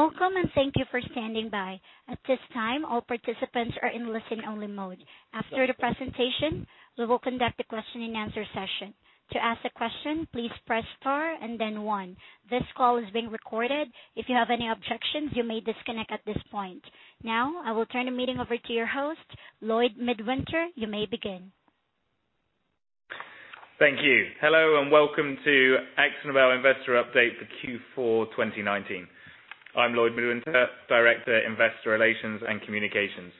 Welcome and thank you for standing by. At this time, all participants are in listen-only mode. After the presentation, we will conduct a question-and-answer session. To ask a question, please press star and then one. This call is being recorded. If you have any objections, you may disconnect at this point. Now, I will turn the meeting over to your host, Lloyd Midwinter. You may begin. Thank you. Hello and welcome to AkzoNobel investor update for Q4 2019. I'm Lloyd Midwinter, Director, Investor Relations and Communications.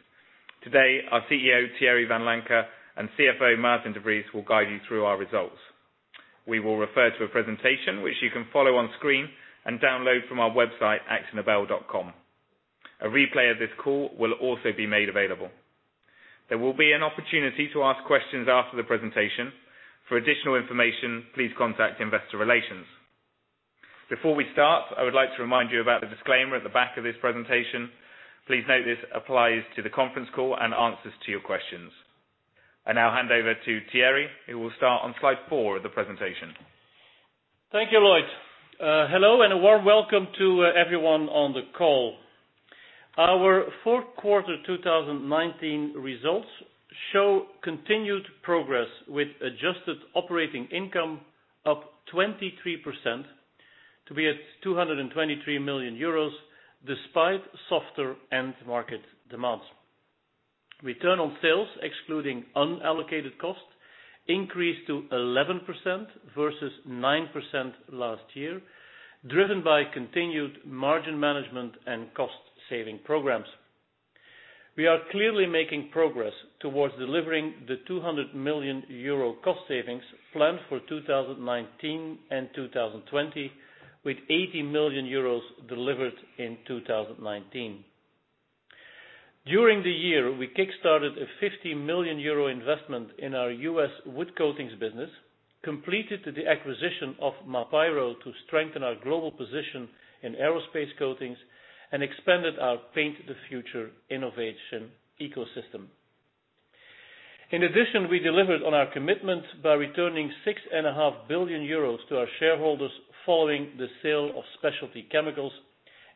Today, our CEO, Thierry Vanlancker, and CFO, Maarten de Vries, will guide you through our results. We will refer to a presentation which you can follow on screen and download from our website, akzonobel.com. A replay of this call will also be made available. There will be an opportunity to ask questions after the presentation. For additional information, please contact Investor Relations. Before we start, I would like to remind you about the disclaimer at the back of this presentation. Please note this applies to the conference call and answers to your questions. I now hand over to Thierry, who will start on slide four of the presentation. Thank you, Lloyd. Hello and a warm welcome to everyone on the call. Our fourth quarter 2019 results show continued progress with adjusted operating income up 23% to be at EUR 223 million despite softer end market demands. Return on sales, excluding unallocated costs, increased to 11% versus 9% last year, driven by continued margin management and cost-saving programs. We are clearly making progress towards delivering the 200 million euro cost savings planned for 2019 and 2020, with 80 million euros delivered in 2019. During the year, we kickstarted a 50 million euro investment in our U.S. wood coatings business, completed the acquisition of Mapaero to strengthen our global position in aerospace coatings and expanded our Paint the Future innovation ecosystem. In addition, we delivered on our commitment by returning 6.5 billion euros to our shareholders following the sale of Specialty Chemicals,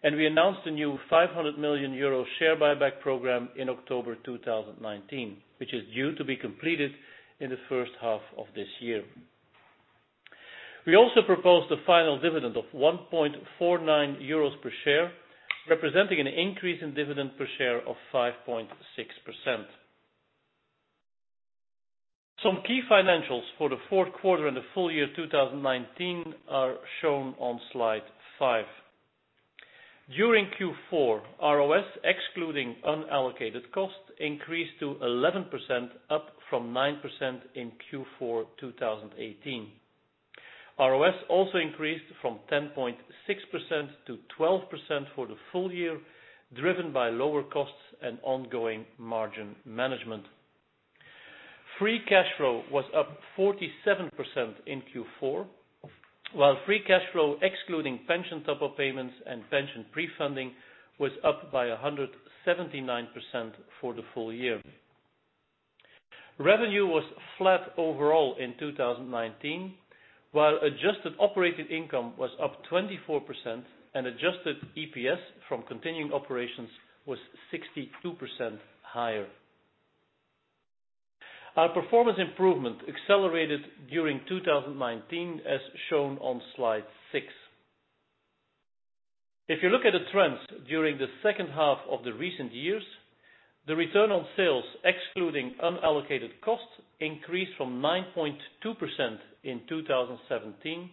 and we announced a new 500 million euro share buyback program in October 2019, which is due to be completed in the first half of this year. We also proposed a final dividend of 1.49 euros per share, representing an increase in dividend per share of 5.6%. Some key financials for the fourth quarter and the full year 2019 are shown on slide five. During Q4, ROS, excluding unallocated costs, increased to 11%, up from 9% in Q4 2018. ROS also increased from 10.6% to 12% for the full year, driven by lower costs and ongoing margin management. Free cash flow was up 47% in Q4, while free cash flow, excluding pension top-up payments and pension prefunding, was up by 179% for the full year. Revenue was flat overall in 2019, while adjusted operating income was up 24% and adjusted EPS from continuing operations was 62% higher. Our performance improvement accelerated during 2019, as shown on slide six. If you look at the trends during the second half of the recent years, the return on sales, excluding unallocated costs, increased from 9.2% in 2017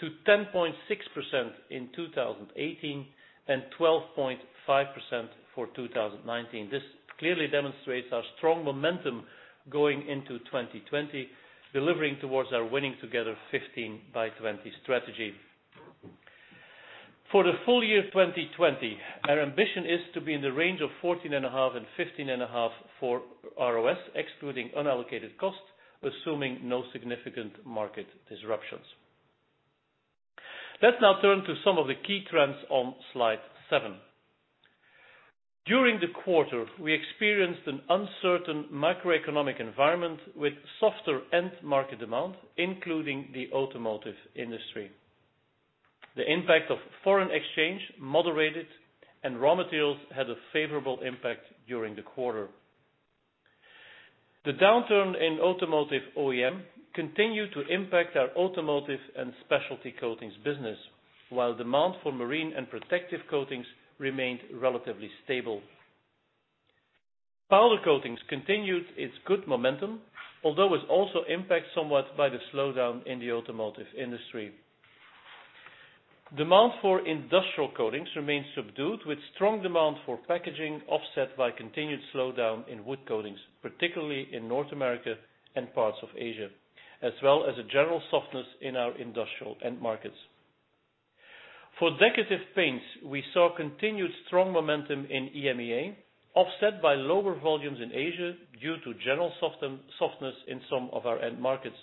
to 10.6% in 2018 and 12.5% for 2019. This clearly demonstrates our strong momentum going into 2020, delivering towards our Winning together: 15 by 20 strategy. For the full year 2020, our ambition is to be in the range of 14.5%-15.5% for ROS, excluding unallocated costs, assuming no significant market disruptions. Let's now turn to some of the key trends on slide seven. During the quarter, we experienced an uncertain macroeconomic environment with softer end market demand, including the automotive industry. The impact of foreign exchange moderated and raw materials had a favorable impact during the quarter. The downturn in automotive OEM continued to impact our automotive and Specialty Coatings business, while demand for Marine and Protective Coatings remained relatively stable. Powder Coatings continued its good momentum, although was also impacted somewhat by the slowdown in the automotive industry. Demand for Industrial Coatings remains subdued, with strong demand for packaging offset by continued slowdown in Wood Coatings, particularly in North America and parts of Asia, as well as a general softness in our industrial end markets. For Decorative Paints, we saw continued strong momentum in EMEA, offset by lower volumes in Asia due to general softness in some of our end markets.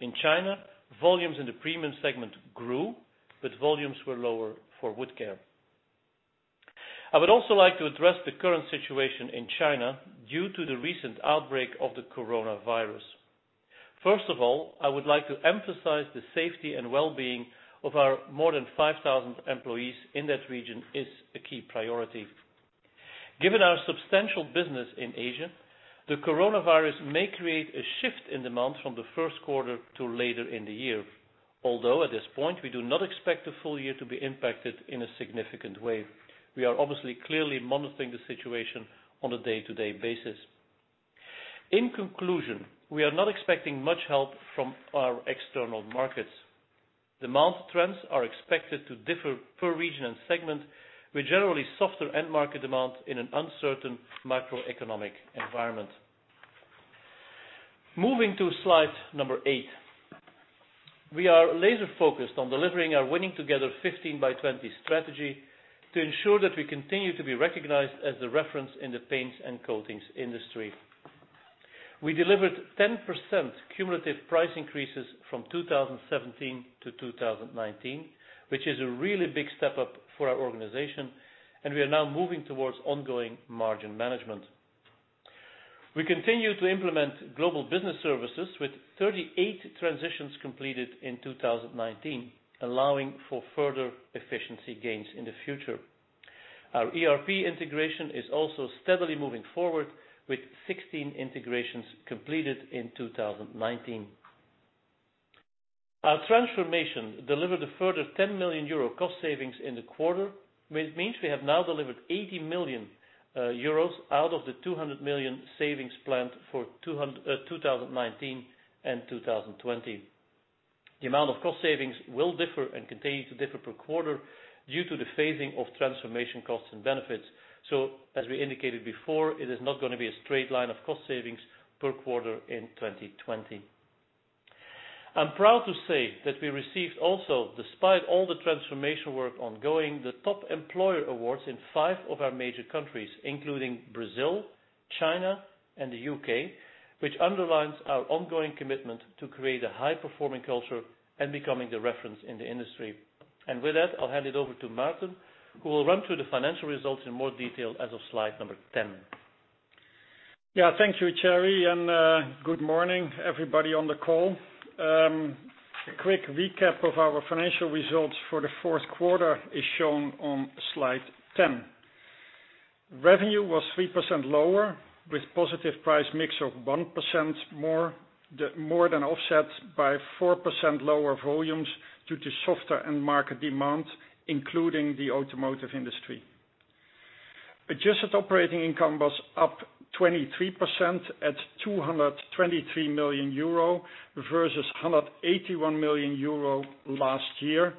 In China, volumes in the premium segment grew, but volumes were lower for wood care. I would also like to address the current situation in China due to the recent outbreak of the coronavirus. First of all, I would like to emphasize the safety and well-being of our more than 5,000 employees in that region is a key priority. Given our substantial business in Asia, the coronavirus may create a shift in demand from the first quarter to later in the year. Although, at this point, we do not expect the full year to be impacted in a significant way. We are obviously clearly monitoring the situation on a day-to-day basis. In conclusion, we are not expecting much help from our external markets. Demand trends are expected to differ per region and segment, with generally softer end market demand in an uncertain macroeconomic environment. Moving to slide number eight. We are laser-focused on delivering our Winning together: 15 by 20 strategy to ensure that we continue to be recognized as the reference in the paints and coatings industry. We delivered 10% cumulative price increases from 2017 to 2019, which is a really big step up for our organization, and we are now moving towards ongoing margin management. We continue to implement Global Business Services with 38 transitions completed in 2019, allowing for further efficiency gains in the future. Our ERP integration is also steadily moving forward, with 16 integrations completed in 2019. Our transformation delivered a further 10 million euro cost savings in the quarter, which means we have now delivered 80 million euros out of the 200 million savings planned for 2019 and 2020. The amount of cost savings will differ and continue to differ per quarter due to the phasing of transformation costs and benefits. As we indicated before, it is not going to be a straight line of cost savings per quarter in 2020. I'm proud to say that we received also, despite all the transformation work ongoing, the Top Employer awards in five of our major countries, including Brazil, China, and the U.K., which underlines our ongoing commitment to create a high-performing culture and becoming the reference in the industry. With that, I'll hand it over to Maarten, who will run through the financial results in more detail as of slide number 10. Yeah. Thank you, Thierry, and good morning, everybody on the call. A quick recap of our financial results for the fourth quarter is shown on slide 10. Revenue was 3% lower, with positive price mix of 1% more than offset by 4% lower volumes due to softer end market demand, including the automotive industry. Adjusted operating income was up 23% at 223 million euro versus 181 million euro last year,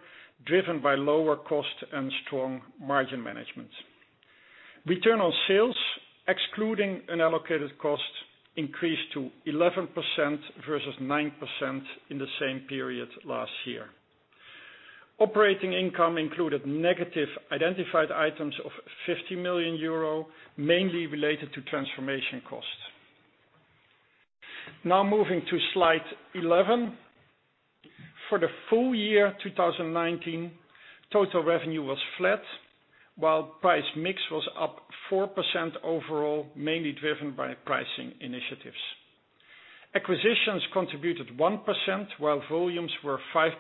driven by lower cost and strong margin management. Return on sales, excluding unallocated cost, increased to 11% versus 9% in the same period last year. Operating income included negative identified items of 50 million euro, mainly related to transformation costs. Moving to slide 11. For the full year 2019, total revenue was flat, while price mix was up 4% overall, mainly driven by pricing initiatives. Acquisitions contributed 1%, while volumes were 5%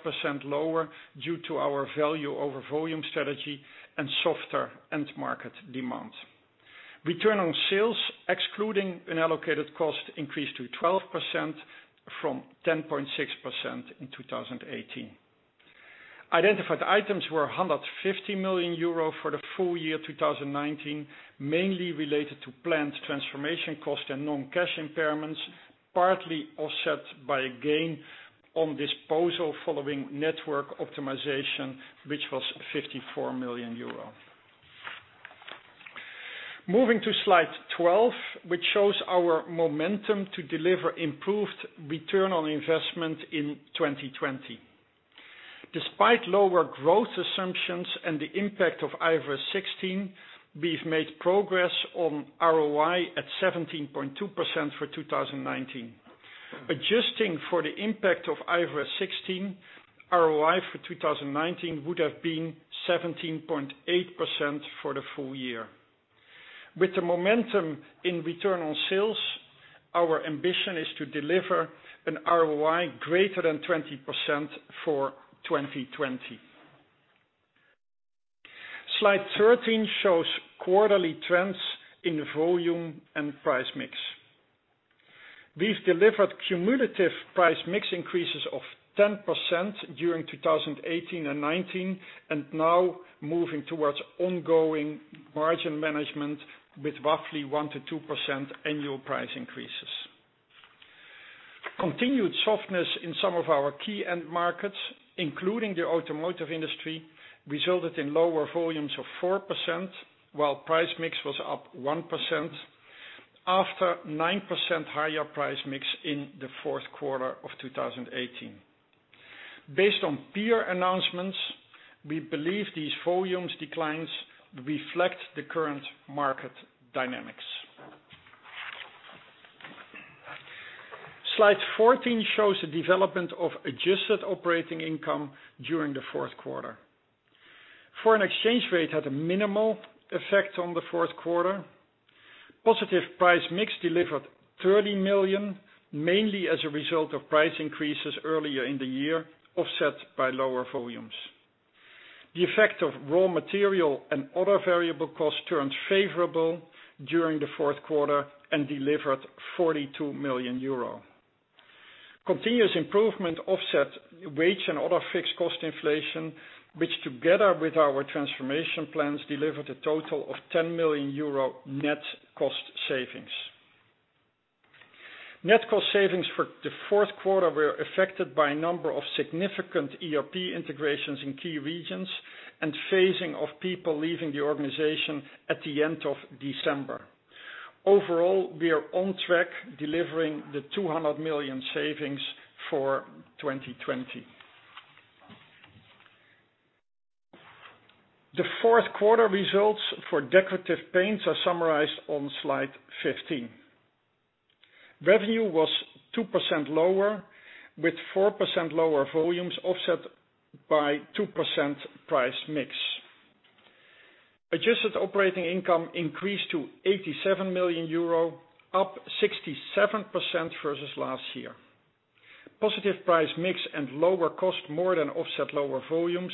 lower due to our value over volume strategy and softer end market demand. Return on sales, excluding unallocated cost, increased to 12% from 10.6% in 2018. Identified items were 150 million euro for the full year 2019, mainly related to planned transformation cost and non-cash impairments, partly offset by a gain on disposal following network optimization, which was 54 million euro. Moving to slide 12, which shows our momentum to deliver improved return on investment in 2020. Despite lower growth assumptions and the impact of IFRS 16, we've made progress on ROI at 17.2% for 2019. Adjusting for the impact of IFRS 16, ROI for 2019 would have been 17.8% for the full year. With the momentum in return on sales, our ambition is to deliver an ROI greater than 20% for 2020. Slide 13 shows quarterly trends in volume and price mix. We've delivered cumulative price mix increases of 10% during 2018 and 2019, and now moving towards ongoing margin management with roughly 1%-2% annual price increases. Continued softness in some of our key end markets, including the automotive industry, resulted in lower volumes of 4%, while price mix was up 1% after 9% higher price mix in the fourth quarter of 2018. Based on peer announcements, we believe these volumes declines reflect the current market dynamics. Slide 14 shows the development of adjusted operating income during the fourth quarter. Foreign exchange rate had a minimal effect on the fourth quarter. Positive price mix delivered 30 million, mainly as a result of price increases earlier in the year, offset by lower volumes. The effect of raw material and other variable costs turned favorable during the fourth quarter and delivered 42 million euro. Continuous improvement offset wage and other fixed cost inflation, which together with our transformation plans, delivered a total of 10 million euro net cost savings. Net cost savings for the fourth quarter were affected by a number of significant ERP integrations in key regions and phasing of people leaving the organization at the end of December. Overall, we are on track delivering the 200 million savings for 2020. The fourth quarter results for Decorative Paints are summarized on slide 15. Revenue was 2% lower with 4% lower volumes offset by 2% price mix. Adjusted operating income increased to 87 million euro, up 67% versus last year. Positive price mix and lower cost more than offset lower volumes,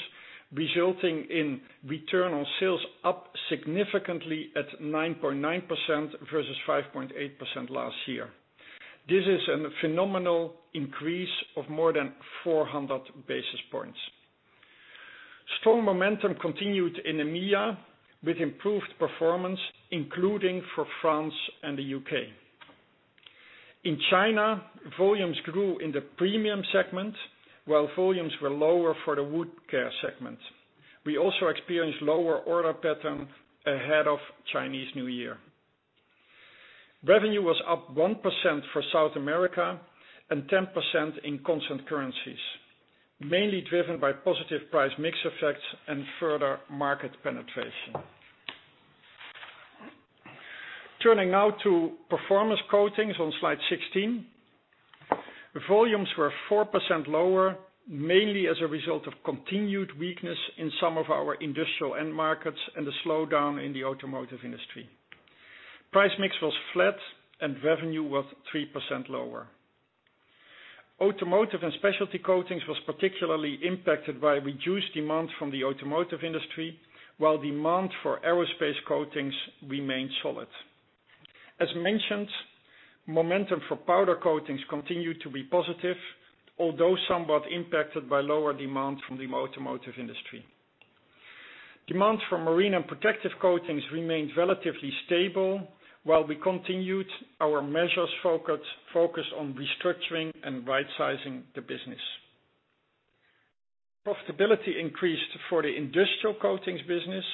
resulting in return on sales up significantly at 9.9% versus 5.8% last year. This is a phenomenal increase of more than 400 basis points. Strong momentum continued in EMEA with improved performance, including for France and the U.K. In China, volumes grew in the premium segment, while volumes were lower for the wood care segment. We also experienced lower order pattern ahead of Chinese New Year. Revenue was up 1% for South America and 10% in constant currencies, mainly driven by positive price mix effects and further market penetration. Turning now to Performance Coatings on slide 16. Volumes were 4% lower, mainly as a result of continued weakness in some of our industrial end markets and a slowdown in the automotive industry. Price mix was flat and revenue was 3% lower. Automotive and specialty coatings was particularly impacted by reduced demand from the automotive industry, while demand for aerospace coatings remained solid. As mentioned, momentum for Powder Coatings continued to be positive, although somewhat impacted by lower demand from the automotive industry. Demand for Marine and Protective Coatings remained relatively stable, while we continued our measures focused on restructuring and rightsizing the business. Profitability increased for the Industrial Coatings business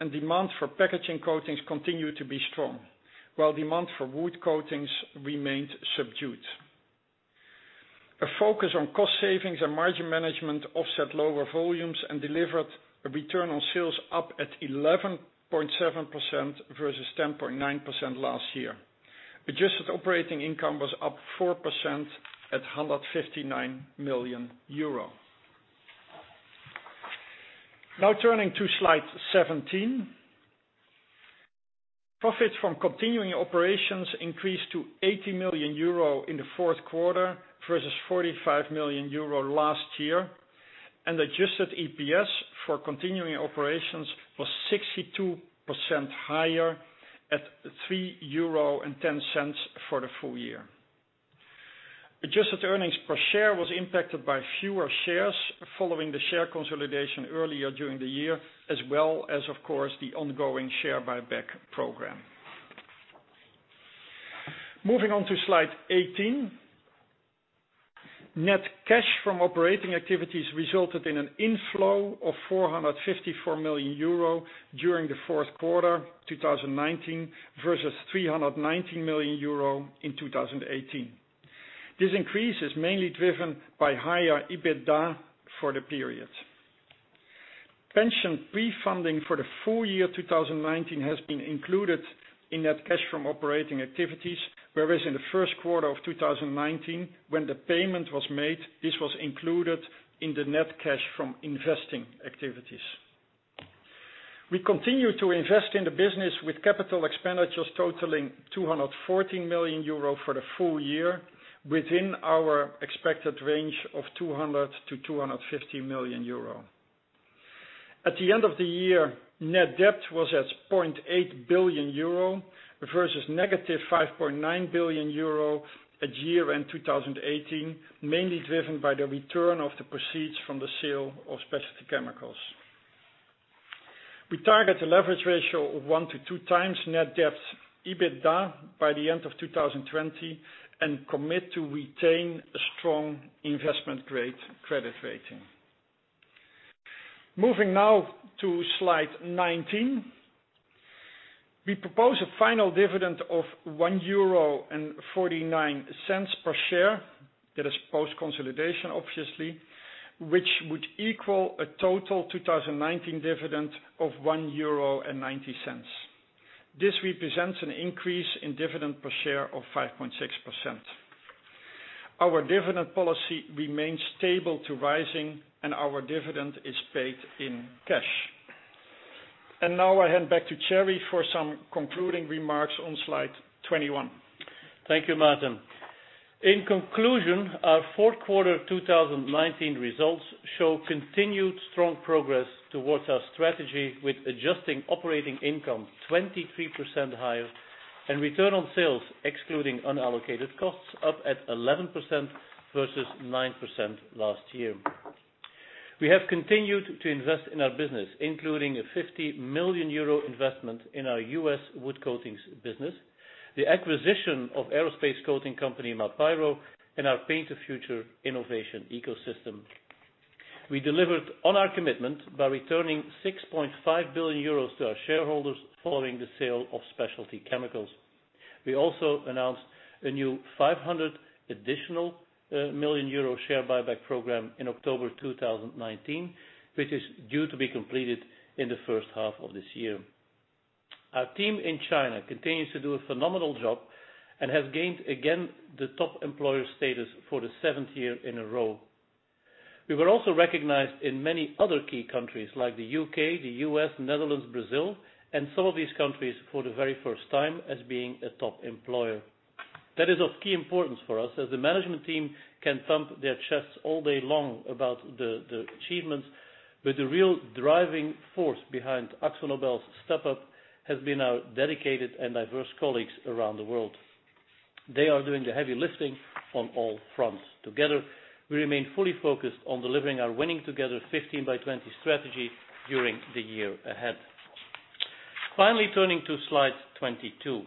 and demand for packaging coatings continued to be strong, while demand for wood coatings remained subdued. A focus on cost savings and margin management offset lower volumes and delivered a return on sales up at 11.7% versus 10.9% last year. Adjusted operating income was up 4% at 159 million euro. Now turning to slide 17. Profits from continuing operations increased to 80 million euro in the fourth quarter versus 45 million euro last year, and adjusted EPS for continuing operations was 62% higher at 3.10 euro for the full year. Adjusted earnings per share was impacted by fewer shares following the share consolidation earlier during the year, as well as, of course, the ongoing share buyback program. Moving on to slide 18. Net cash from operating activities resulted in an inflow of 454 million euro during the fourth quarter 2019 versus 319 million euro in 2018. This increase is mainly driven by higher EBITDA for the period. Pension pre-funding for the full year 2019 has been included in net cash from operating activities, whereas in the first quarter of 2019, when the payment was made, this was included in the net cash from investing activities. We continue to invest in the business with capital expenditures totaling 214 million euro for the full year, within our expected range of 200 million-250 million euro. At the end of the year, net debt was at 0.8 billion euro versus -5.9 billion euro at year-end 2018, mainly driven by the return of the proceeds from the sale of Specialty Chemicals. We target a leverage ratio of 1x-2x net debt EBITDA by the end of 2020 and commit to retain a strong investment-grade credit rating. Moving now to slide 19. We propose a final dividend of 1.49 euro per share, that is post-consolidation, obviously, which would equal a total 2019 dividend of 1.90 euro. This represents an increase in dividend per share of 5.6%. Our dividend policy remains stable to rising, and our dividend is paid in cash. Now I hand back to Thierry for some concluding remarks on slide 21. Thank you, Maarten. In conclusion, our fourth quarter 2019 results show continued strong progress towards our strategy, with adjusting operating income 23% higher and return on sales excluding unallocated costs up at 11% versus 9% last year. We have continued to invest in our business, including a 50 million euro investment in our U.S. wood coatings business, the acquisition of aerospace coating company, Mapaero, and our Paint the Future innovation ecosystem. We delivered on our commitment by returning 6.5 billion euros to our shareholders following the sale of Specialty Chemicals. We also announced a new 500 million euro additional share buyback program in October 2019, which is due to be completed in the first half of this year. Our team in China continues to do a phenomenal job and has gained again the top employer status for the seventh year in a row. We were also recognized in many other key countries like the U.K., the U.S., Netherlands, Brazil, and some of these countries for the very first time as being a top employer. That is of key importance for us, as the management team can thump their chests all day long about the achievements, but the real driving force behind AkzoNobel's step up has been our dedicated and diverse colleagues around the world. They are doing the heavy lifting on all fronts. Together, we remain fully focused on delivering our Winning together: 15 by 20 strategy during the year ahead. Finally, turning to slide 22.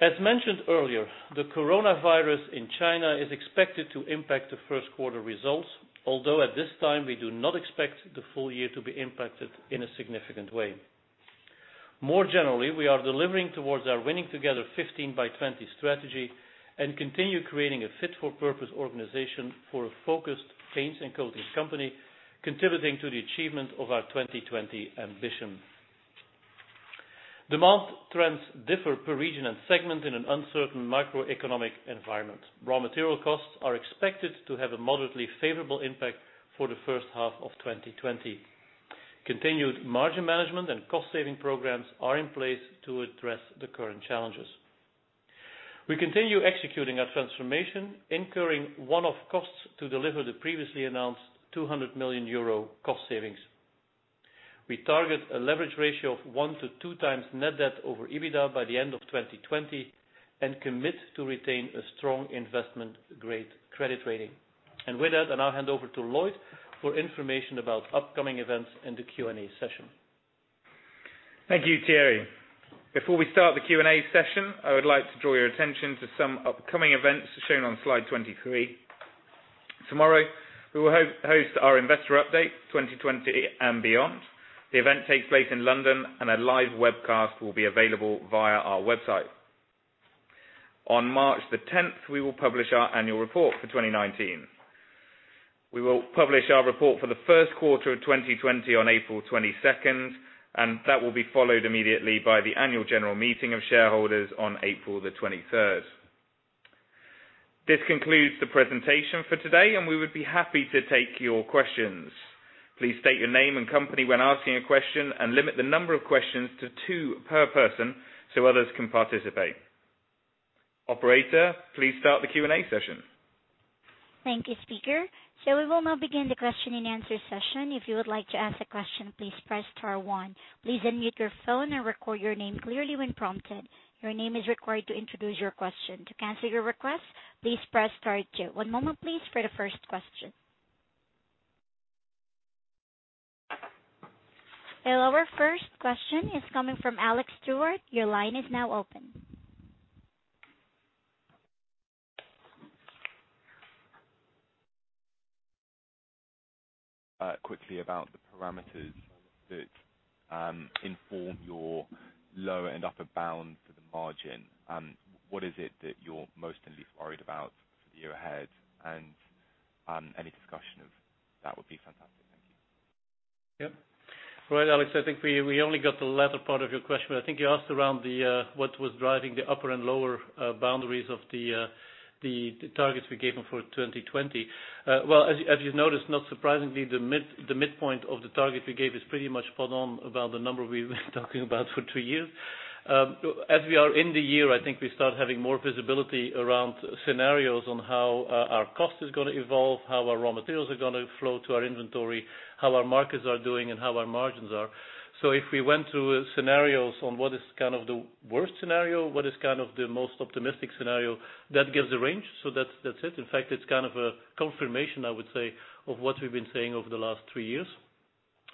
As mentioned earlier, the coronavirus in China is expected to impact the first quarter results, although at this time we do not expect the full year to be impacted in a significant way. More generally, we are delivering towards our Winning together: 15 by 20 strategy and continue creating a fit-for-purpose organization for a focused paints and coatings company, contributing to the achievement of our 2020 ambition. Demand trends differ per region and segment in an uncertain macroeconomic environment. Raw material costs are expected to have a moderately favorable impact for the first half of 2020. Continued margin management and cost-saving programs are in place to address the current challenges. We continue executing our transformation, incurring one-off costs to deliver the previously announced 200 million euro cost savings. We target a leverage ratio of 1x-2x net debt over EBITDA by the end of 2020 and commit to retain a strong investment-grade credit rating. With that, I now hand over to Lloyd for information about upcoming events in the Q&A session. Thank you, Thierry. Before we start the Q&A session, I would like to draw your attention to some upcoming events shown on slide 23. Tomorrow, we will host our Investor Update 2020 and Beyond. The event takes place in London, and a live webcast will be available via our website. On March 10th, we will publish our annual report for 2019. We will publish our report for the first quarter of 2020 on April 22nd, and that will be followed immediately by the annual general meeting of shareholders on April 23rd. This concludes the presentation for today, and we would be happy to take your questions. Please state your name and company when asking a question, and limit the number of questions to two per person so others can participate. Operator, please start the Q&A session. Thank you, speaker. We will now begin the question-and-answer session. If you would like to ask a question, please press star one. Please unmute your phone and record your name clearly when prompted. Your name is required to introduce your question. To cancel your request, please press star two. One moment, please, for the first question. Hello, our first question is coming from Alex Stewart. Your line is now open. Quickly about the parameters that inform your lower and upper bound for the margin. What is it that you're most worried about for the year ahead? Any discussion of that would be fantastic. Thank you. Yep. All right, Alex, I think we only got the latter part of your question. I think you asked around what was driving the upper and lower boundaries of the targets we gave them for 2020. Well, as you noticed, not surprisingly, the midpoint of the target we gave is pretty much spot on about the number we've been talking about for two years. As we are in the year, I think we start having more visibility around scenarios on how our cost is going to evolve, how our raw materials are going to flow to our inventory, how our markets are doing, and how our margins are. If we went through scenarios on what is kind of the worst scenario, what is kind of the most optimistic scenario, that gives a range. That's it. In fact, it's kind of a confirmation, I would say, of what we've been saying over the last three years.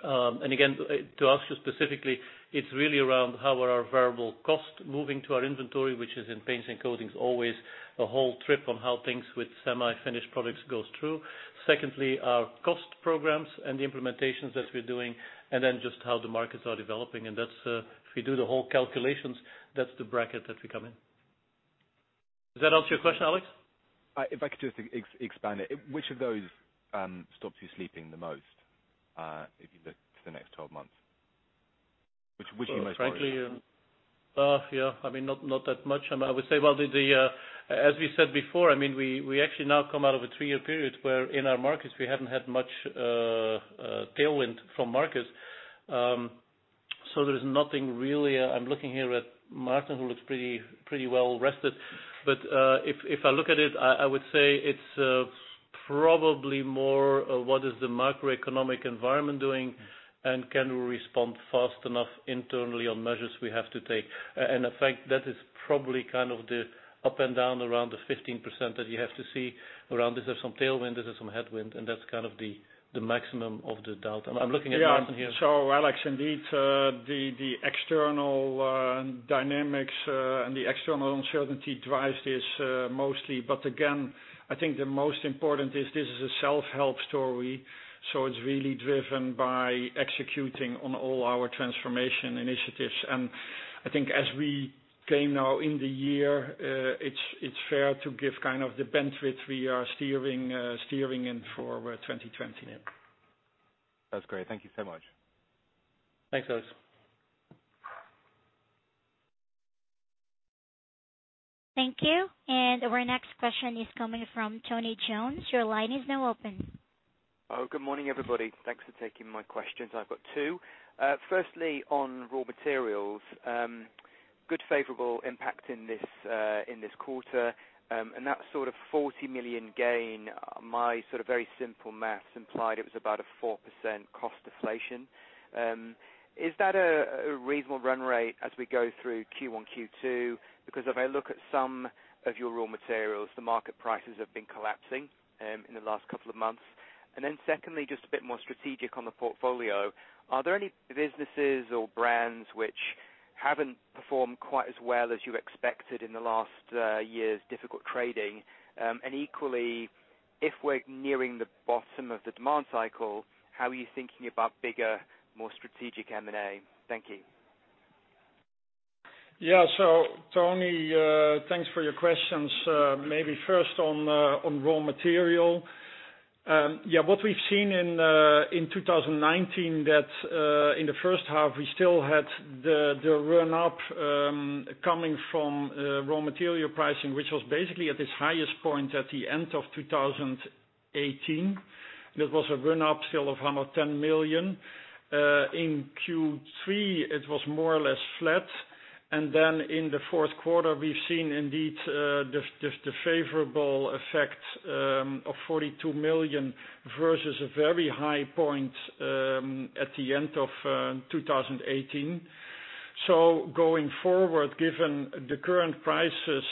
Again, to answer specifically, it's really around how our variable costs are moving to our inventory, which is in paints and coatings, always a whole trip on how things with semi-finished products goes through. Secondly, our cost programs and the implementations that we're doing, then just how the markets are developing. If we do the whole calculations, that's the bracket that we come in. Does that answer your question, Alex? If I could just expand it. Which of those stops you sleeping the most, if you look to the next 12 months? Which are you most worried about? Frankly, not that much. I would say, as we said before, we actually now come out of a three-year period where in our markets we haven't had much tailwind from markets. There's nothing really. I'm looking here at Maarten, who looks pretty well rested. If I look at it, I would say it's probably more what is the macroeconomic environment doing, and can we respond fast enough internally on measures we have to take? In fact, that is probably kind of the up and down around the 15% that you have to see around this is some tailwind, this is some headwind, and that's kind of the maximum of the doubt. I'm looking at Maarten here. Alex, indeed, the external dynamics and the external uncertainty drives this mostly. Again, I think the most important is this is a self-help story. It's really driven by executing on all our transformation initiatives. I think as we came now in the year, it's fair to give kind of the benefit we are steering in for 2020 now. That's great. Thank you so much. Thanks, Alex. Thank you. Our next question is coming from Tony Jones. Your line is now open. Good morning, everybody. Thanks for taking my questions. I've got two. Firstly, on raw materials, good favorable impact in this quarter. That sort of 40 million gain, my sort of very simple maths implied it was about a 4% cost deflation. Is that a reasonable run rate as we go through Q1, Q2? Because if I look at some of your raw materials, the market prices have been collapsing in the last couple of months. Then secondly, just a bit more strategic on the portfolio. Are there any businesses or brands which haven't performed quite as well as you expected in the last year's difficult trading? Equally, if we're nearing the bottom of the demand cycle, how are you thinking about bigger, more strategic M&A? Thank you. Tony, thanks for your questions. Maybe first on raw material. What we've seen in 2019, that in the first half, we still had the run up coming from raw material pricing, which was basically at its highest point at the end of 2018. That was a run up still of 110 million. In Q3, it was more or less flat. In the fourth quarter, we've seen indeed, just the favorable effect of 42 million versus a very high point at the end of 2018. Going forward, given the current prices,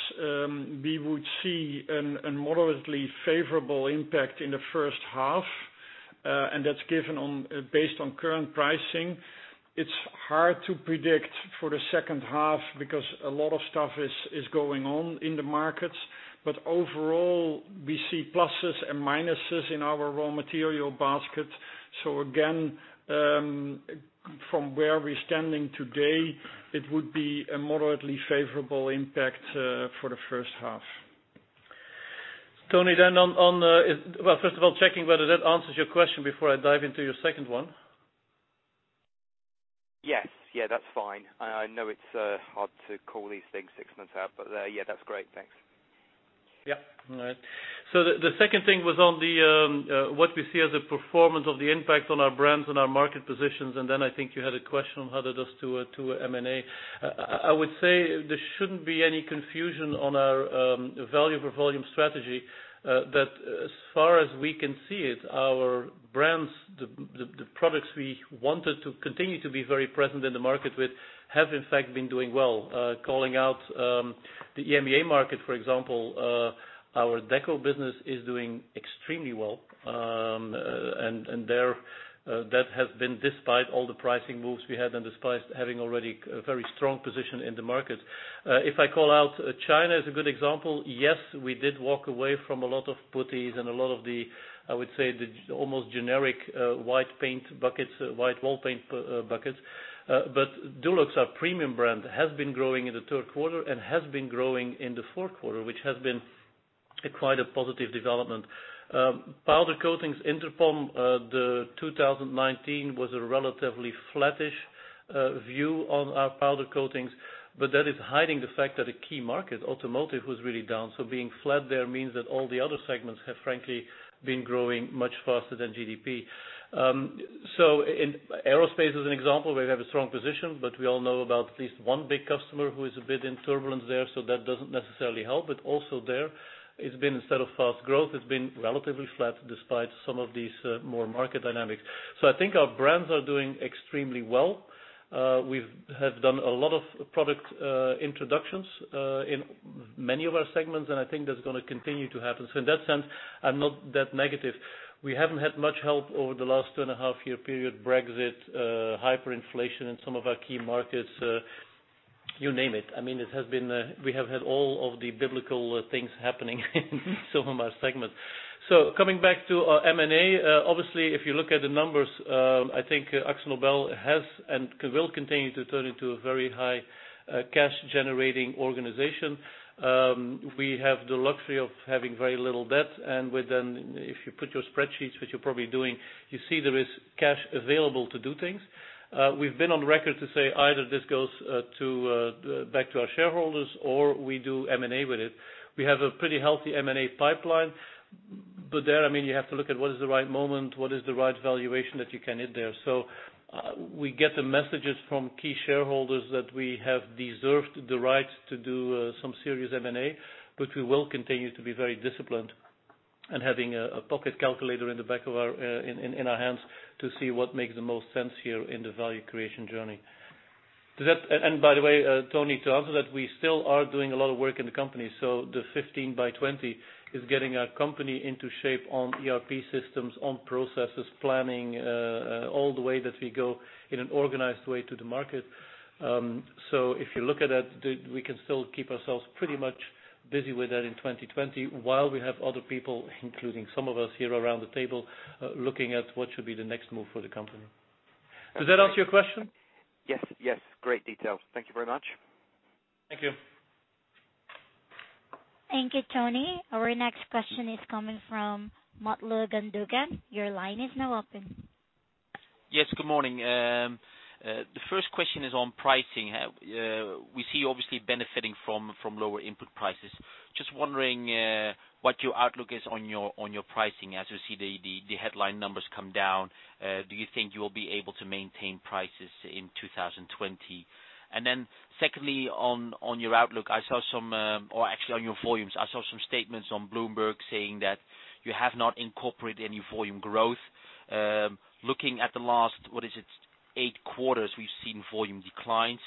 we would see a moderately favorable impact in the first half. That's based on current pricing. It's hard to predict for the second half because a lot of stuff is going on in the markets. Overall, we see pluses and minuses in our raw material basket. Again, from where we're standing today, it would be a moderately favorable impact for the first half. Tony, Well, first of all, checking whether that answers your question before I dive into your second one. Yes, that's fine. I know it's hard to call these things six months out, but yeah, that's great. Thanks. Yeah. All right. The second thing was on what we see as a performance of the impact on our brands and our market positions, and then I think you had a question on how that does to M&A. I would say there shouldn't be any confusion on our value for volume strategy. That as far as we can see it, our brands, the products we wanted to continue to be very present in the market with, have in fact, been doing well. Calling out the EMEA market, for example, our Deco business is doing extremely well. That has been despite all the pricing moves we had and despite having already a very strong position in the market. If I call out China as a good example, yes, we did walk away from a lot of putties and a lot of the, I would say, the almost generic white wall paint buckets. Dulux, our premium brand, has been growing in the third quarter and has been growing in the fourth quarter, which has been quite a positive development. Powder Coatings, Interpon, the 2019 was a relatively flattish view on our Powder Coatings, but that is hiding the fact that a key market, automotive, was really down. Being flat there means that all the other segments have frankly been growing much faster than GDP. In aerospace as an example, we have a strong position, but we all know about at least one big customer who is a bit in turbulence there, so that doesn't necessarily help. Also there, instead of fast growth, it's been relatively flat despite some of these more market dynamics. I think our brands are doing extremely well. We have done a lot of product introductions in many of our segments, and I think that's going to continue to happen. In that sense, I'm not that negative. We haven't had much help over the last two and a half year period, Brexit, hyperinflation in some of our key markets, you name it. We have had all of the biblical things happening in some of our segments. Coming back to our M&A, obviously, if you look at the numbers, I think AkzoNobel has and will continue to turn into a very high cash-generating organization. We have the luxury of having very little debt, and if you put your spreadsheets, which you're probably doing, you see there is cash available to do things. We've been on record to say either this goes back to our shareholders, or we do M&A with it. We have a pretty healthy M&A pipeline. There, you have to look at what is the right moment, what is the right valuation that you can hit there. We get the messages from key shareholders that we have deserved the right to do some serious M&A, but we will continue to be very disciplined and having a pocket calculator in the back of our hands to see what makes the most sense here in the value creation journey. By the way, Tony, to answer that, we still are doing a lot of work in the company. The 15 by 20 is getting our company into shape on ERP systems, on processes, planning, all the way that we go in an organized way to the market. If you look at that, we can still keep ourselves pretty much busy with that in 2020 while we have other people, including some of us here around the table, looking at what should be the next move for the company. Does that answer your question? Yes. Great detail. Thank you very much. Thank you. Thank you, Tony. Our next question is coming from Mutlu Gundogan. Your line is now open. Yes, good morning. The first question is on pricing. We see you obviously benefiting from lower input prices. Just wondering what your outlook is on your pricing as you see the headline numbers come down. Do you think you will be able to maintain prices in 2020? Secondly, on your outlook, or actually on your volumes, I saw some statements on Bloomberg saying that you have not incorporated any volume growth. Looking at the last, what is it, eight quarters, we've seen volume declines.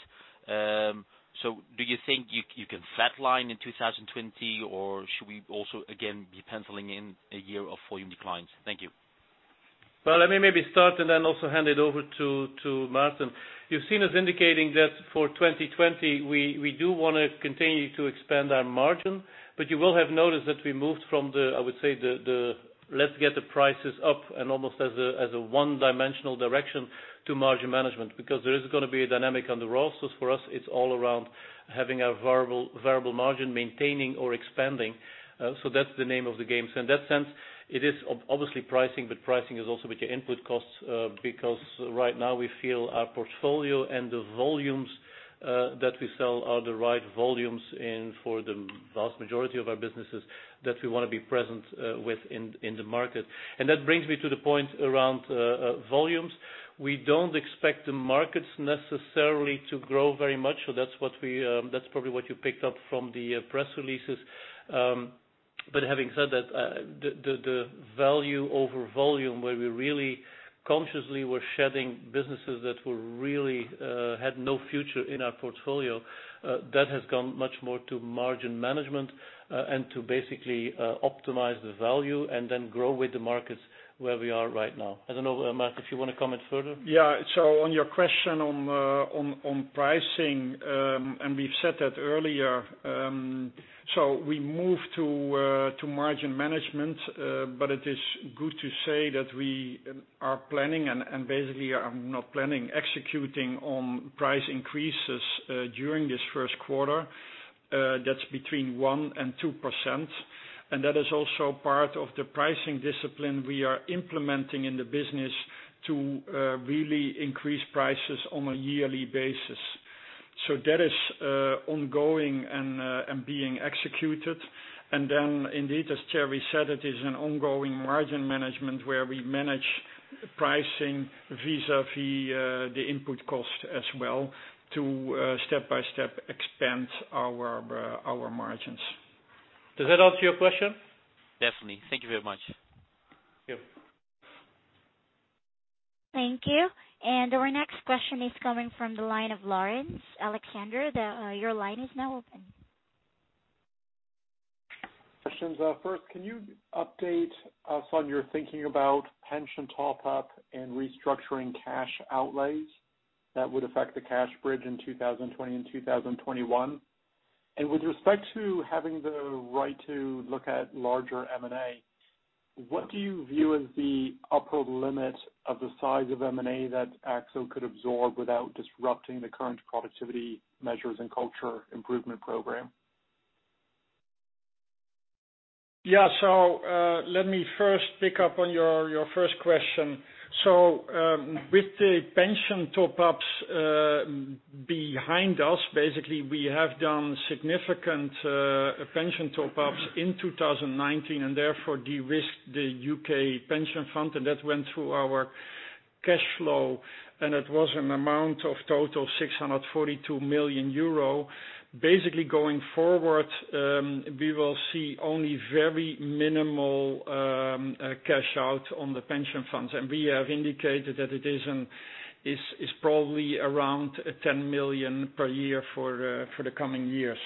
Do you think you can flatline in 2020, or should we also, again, be penciling in a year of volume declines? Thank you. Well, let me maybe start and then also hand it over to Maarten. You've seen us indicating that for 2020, we do want to continue to expand our margin, but you will have noticed that we moved from the, I would say, let's get the prices up and almost as a one-dimensional direction to margin management, because there is going to be a dynamic on the raw. For us, it's all around having a variable margin, maintaining or expanding. That's the name of the game. In that sense, it is obviously pricing, but pricing is also with your input costs, because right now we feel our portfolio and the volumes that we sell are the right volumes for the vast majority of our businesses that we want to be present with in the market. That brings me to the point around volumes. We don't expect the markets necessarily to grow very much. That's probably what you picked up from the press releases. Having said that, the value over volume, where we really consciously were shedding businesses that really had no future in our portfolio, that has gone much more to margin management and to basically optimize the value and then grow with the markets where we are right now. I don't know, Maarten, if you want to comment further. Yeah. On your question on pricing, and we've said that earlier, so we moved to margin management, but it is good to say that we are executing on price increases during this first quarter. That's between 1% and 2%. That is also part of the pricing discipline we are implementing in the business to really increase prices on a yearly basis. That is ongoing and being executed. Indeed, as Thierry said, it is an ongoing margin management where we manage pricing vis-à-vis the input cost as well to step by step expand our margins. Does that answer your question? Definitely. Thank you very much. Thank you. Thank you. Our next question is coming from the line of Laurence Alexander. Your line is now open. Questions. First, can you update us on your thinking about pension top up and restructuring cash outlays that would affect the cash bridge in 2020 and 2021? With respect to having the right to look at larger M&A, what do you view as the upper limit of the size of M&A that AkzoNobel could absorb without disrupting the current productivity measures and culture improvement program? Yeah. Let me first pick up on your first question. With the pension top-ups behind us, basically we have done significant pension top-ups in 2019 and therefore de-risked the U.K. pension fund, and that went through our cash flow, and it was an amount of total 642 million euro. Basically going forward, we will see only very minimal cash out on the pension funds. We have indicated that it is probably around 10 million per year for the coming years.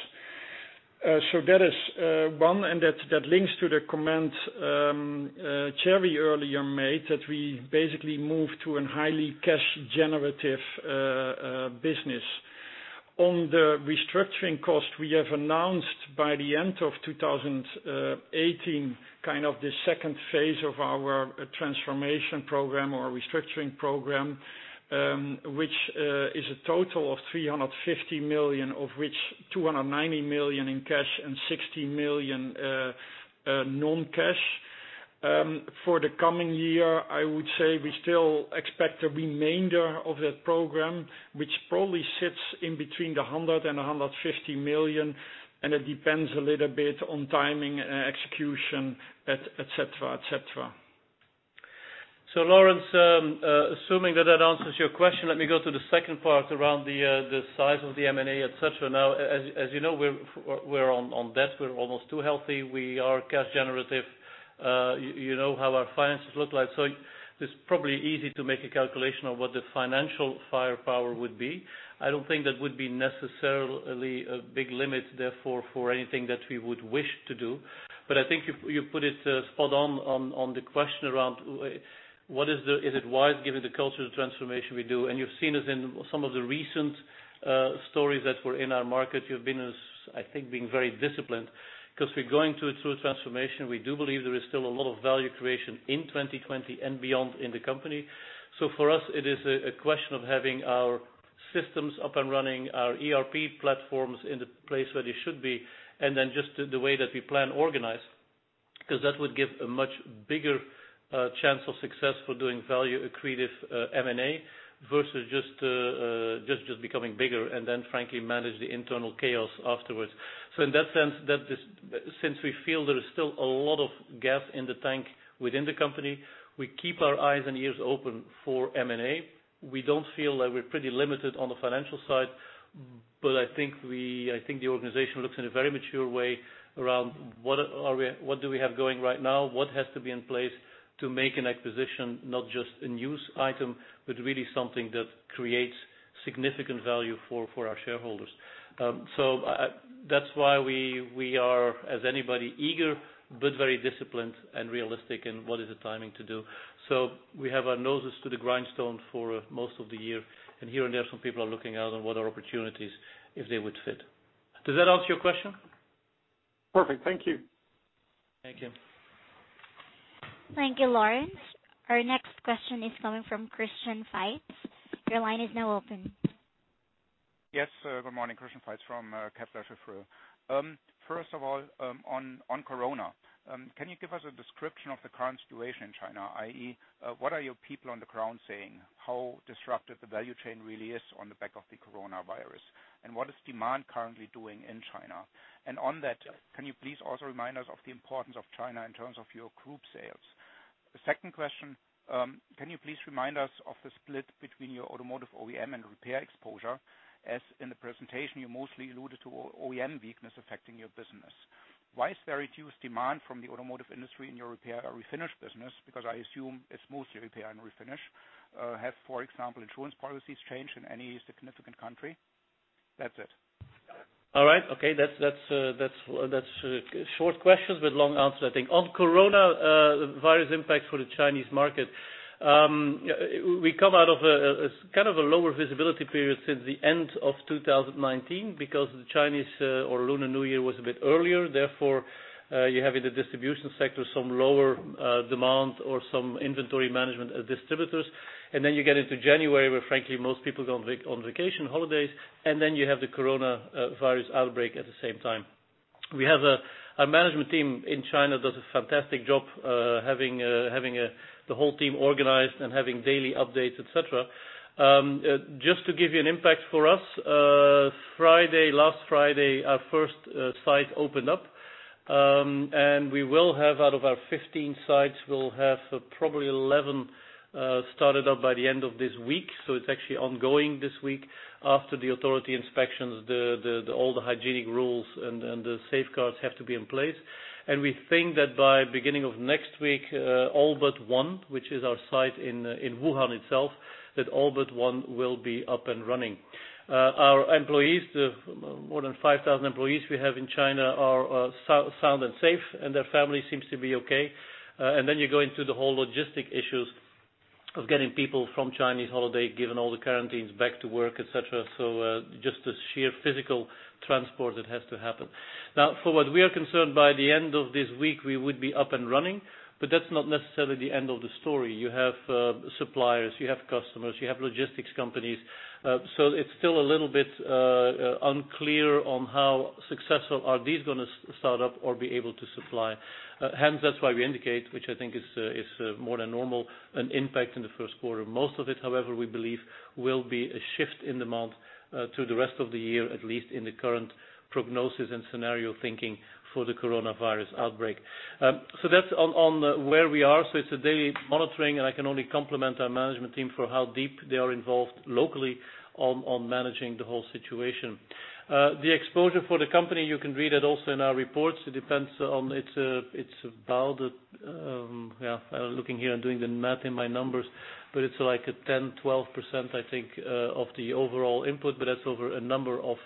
That is one, and that links to the comment Thierry earlier made that we basically moved to a highly cash generative business. On the restructuring cost, we have announced by the end of 2018, kind of the second phase of our transformation program or restructuring program, which is a total of 350 million, of which 290 million in cash and 60 million non-cash. For the coming year, I would say we still expect the remainder of that program, which probably sits in between 100 million-150 million, and it depends a little bit on timing and execution, et cetera. Laurence, assuming that that answers your question, let me go to the second part around the size of the M&A, et cetera. As you know, we're on debt. We're almost too healthy. We are cash generative. You know how our finances look like. It's probably easy to make a calculation of what the financial firepower would be. I don't think that would be necessarily a big limit, therefore, for anything that we would wish to do. I think you put it spot on the question around is it wise given the culture of the transformation we do? You've seen us in some of the recent stories that were in our market. You've been, I think, being very disciplined because we're going through a transformation. We do believe there is still a lot of value creation in 2020 and beyond in the company. For us, it is a question of having our systems up and running, our ERP platforms in the place where they should be, and then just the way that we plan organized, because that would give a much bigger chance of success for doing value accretive M&A versus just becoming bigger and then frankly manage the internal chaos afterwards. In that sense, since we feel there is still a lot of gas in the tank within the company, we keep our eyes and ears open for M&A. We don't feel like we're pretty limited on the financial side, but I think the organization looks in a very mature way around what do we have going right now, what has to be in place to make an acquisition not just a news item, but really something that creates significant value for our shareholders. That's why we are, as anybody, eager but very disciplined and realistic in what is the timing to do. We have our noses to the grindstone for most of the year, and here and there, some people are looking out on what are opportunities if they would fit. Does that answer your question? Perfect. Thank you. Thank you. Thank you, Laurence. Our next question is coming from Christian Faitz. Your line is now open. Yes. Good morning, Christian Faitz from Kepler Cheuvreux. First of all, on corona, can you give us a description of the current situation in China? I.e., what are your people on the ground saying? How disrupted the value chain really is on the back of the coronavirus, and what is demand currently doing in China? On that, can you please also remind us of the importance of China in terms of your group sales? The second question, can you please remind us of the split between your automotive OEM and repair exposure? As in the presentation, you mostly alluded to OEM weakness affecting your business. Why is there reduced demand from the automotive industry in your repair or refinish business? I assume it's mostly repair and refinish. Have, for example, insurance policies changed in any significant country? That's it. All right. Okay. That's short questions with long answers, I think. On coronavirus impact for the Chinese market, we come out of a lower visibility period since the end of 2019 because the Chinese or Lunar New Year was a bit earlier. You have in the distribution sector some lower demand or some inventory management distributors. You get into January, where frankly, most people go on vacation holidays, and then you have the coronavirus outbreak at the same time. Our management team in China does a fantastic job having the whole team organized and having daily updates, et cetera. Just to give you an impact for us, last Friday, our first site opened up. We will have out of our 15 sites, we'll have probably 11 started up by the end of this week. It's actually ongoing this week after the authority inspections, all the hygienic rules and the safeguards have to be in place. We think that by beginning of next week, all but one, which is our site in Wuhan itself, that all but one will be up and running. Our more than 5,000 employees we have in China are sound and safe, and their family seems to be okay. You go into the whole logistic issues of getting people from Chinese holiday, given all the quarantines back to work, et cetera. Just the sheer physical transport that has to happen. Now, for what we are concerned by the end of this week, we would be up and running, but that's not necessarily the end of the story. You have suppliers, you have customers, you have logistics companies. It's still a little bit unclear on how successful are these going to start up or be able to supply. Hence, that's why we indicate, which I think is more than normal, an impact in the first quarter. Most of it, however, we believe will be a shift in demand to the rest of the year, at least in the current prognosis and scenario thinking for the coronavirus outbreak. That's on where we are. It's a daily monitoring, and I can only compliment our management team for how deep they are involved locally on managing the whole situation. The exposure for the company, you can read it also in our reports. It depends on it's about, looking here and doing the math in my numbers, but it's like a 10%, 12%, I think, of the overall input, but that's over a number of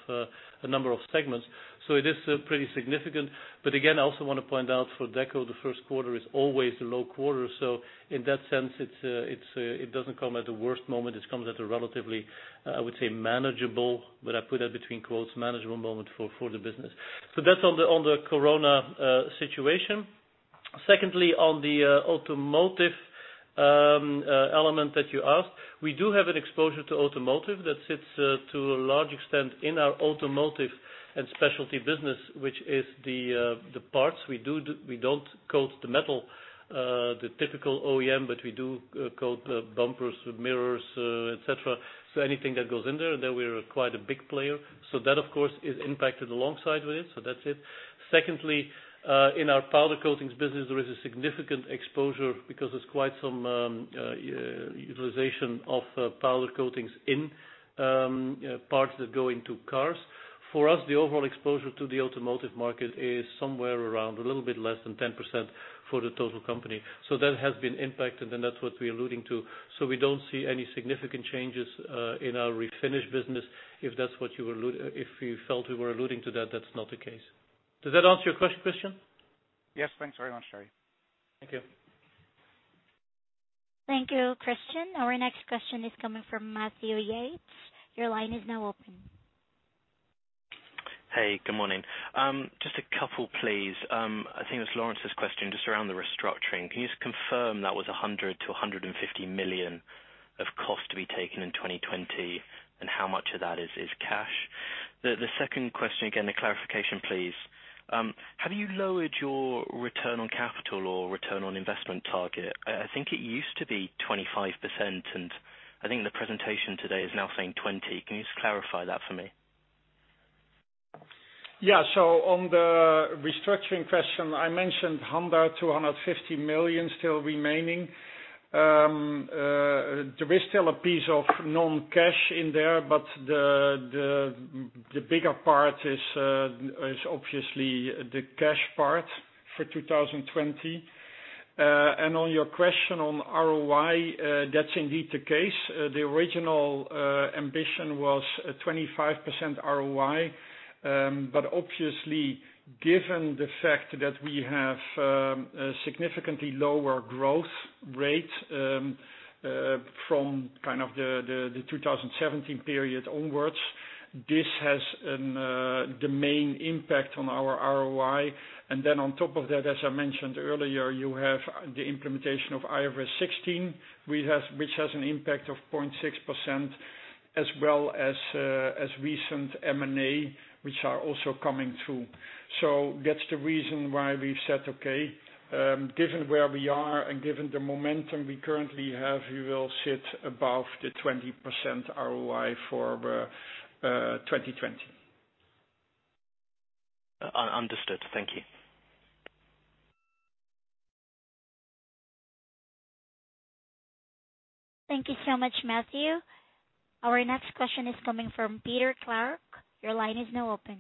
segments. It is pretty significant. Again, I also want to point out for Deco, the first quarter is always the low quarter. In that sense, it doesn't come at the worst moment. It comes at a relatively, I would say, manageable, but I put that between quotes, manageable moment for the business. That's on the corona situation. Secondly, on the automotive element that you asked, we do have an exposure to automotive that sits to a large extent in our automotive and specialty business, which is the parts. We don't coat the metal, the typical OEM, but we do coat the bumpers, mirrors, et cetera. Anything that goes in there, and there we are quite a big player. That, of course, is impacted alongside with it, so that's it. Secondly, in our Powder Coatings business, there is a significant exposure because there's quite some utilization of powder coatings in parts that go into cars. For us, the overall exposure to the automotive market is somewhere around a little bit less than 10% for the total company. That has been impacted, and that's what we're alluding to. We don't see any significant changes in our refinish business, if you felt we were alluding to that's not the case. Does that answer your question, Christian? Yes. Thanks very much, Thierry. Thank you. Thank you, Christian. Our next question is coming from Matthew Yates. Your line is now open. Hey, good morning. Just a couple, please. I think it was Laurence's question just around the restructuring. Can you just confirm that was 100 million-150 million of cost to be taken in 2020, and how much of that is cash? The second question, again, a clarification, please. Have you lowered your return on capital or ROI target? I think it used to be 25%, and I think the presentation today is now saying 20%. Can you just clarify that for me? On the restructuring question, I mentioned 100 million-150 million still remaining. There is still a piece of non-cash in there, but the bigger part is obviously the cash part for 2020. On your question on ROI, that's indeed the case. The original ambition was a 25% ROI. Obviously, given the fact that we have a significantly lower growth rate from kind of the 2017 period onwards, this has the main impact on our ROI. On top of that, as I mentioned earlier, you have the implementation of IFRS 16, which has an impact of 0.6%, as well as recent M&A, which are also coming through. That's the reason why we've said, okay, given where we are and given the momentum we currently have, we will sit above the 20% ROI for 2020. Understood. Thank you. Thank you so much, Matthew. Our next question is coming from Peter Clark. Your line is now open.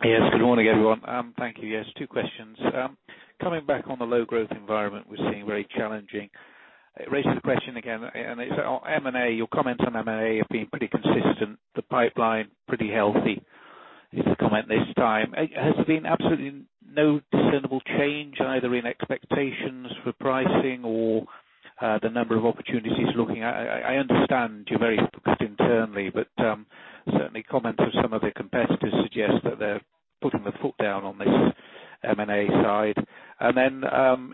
Good morning, everyone. Thank you. Two questions. Coming back on the low growth environment we're seeing, very challenging. It raises the question again, on M&A, your comments on M&A have been pretty consistent. The pipeline pretty healthy, is the comment this time. Has there been absolutely no discernible change either in expectations for pricing or the number of opportunities you're looking at? I understand you're very focused internally, certainly comments from some of the competitors suggest that they're putting the foot down on this M&A side.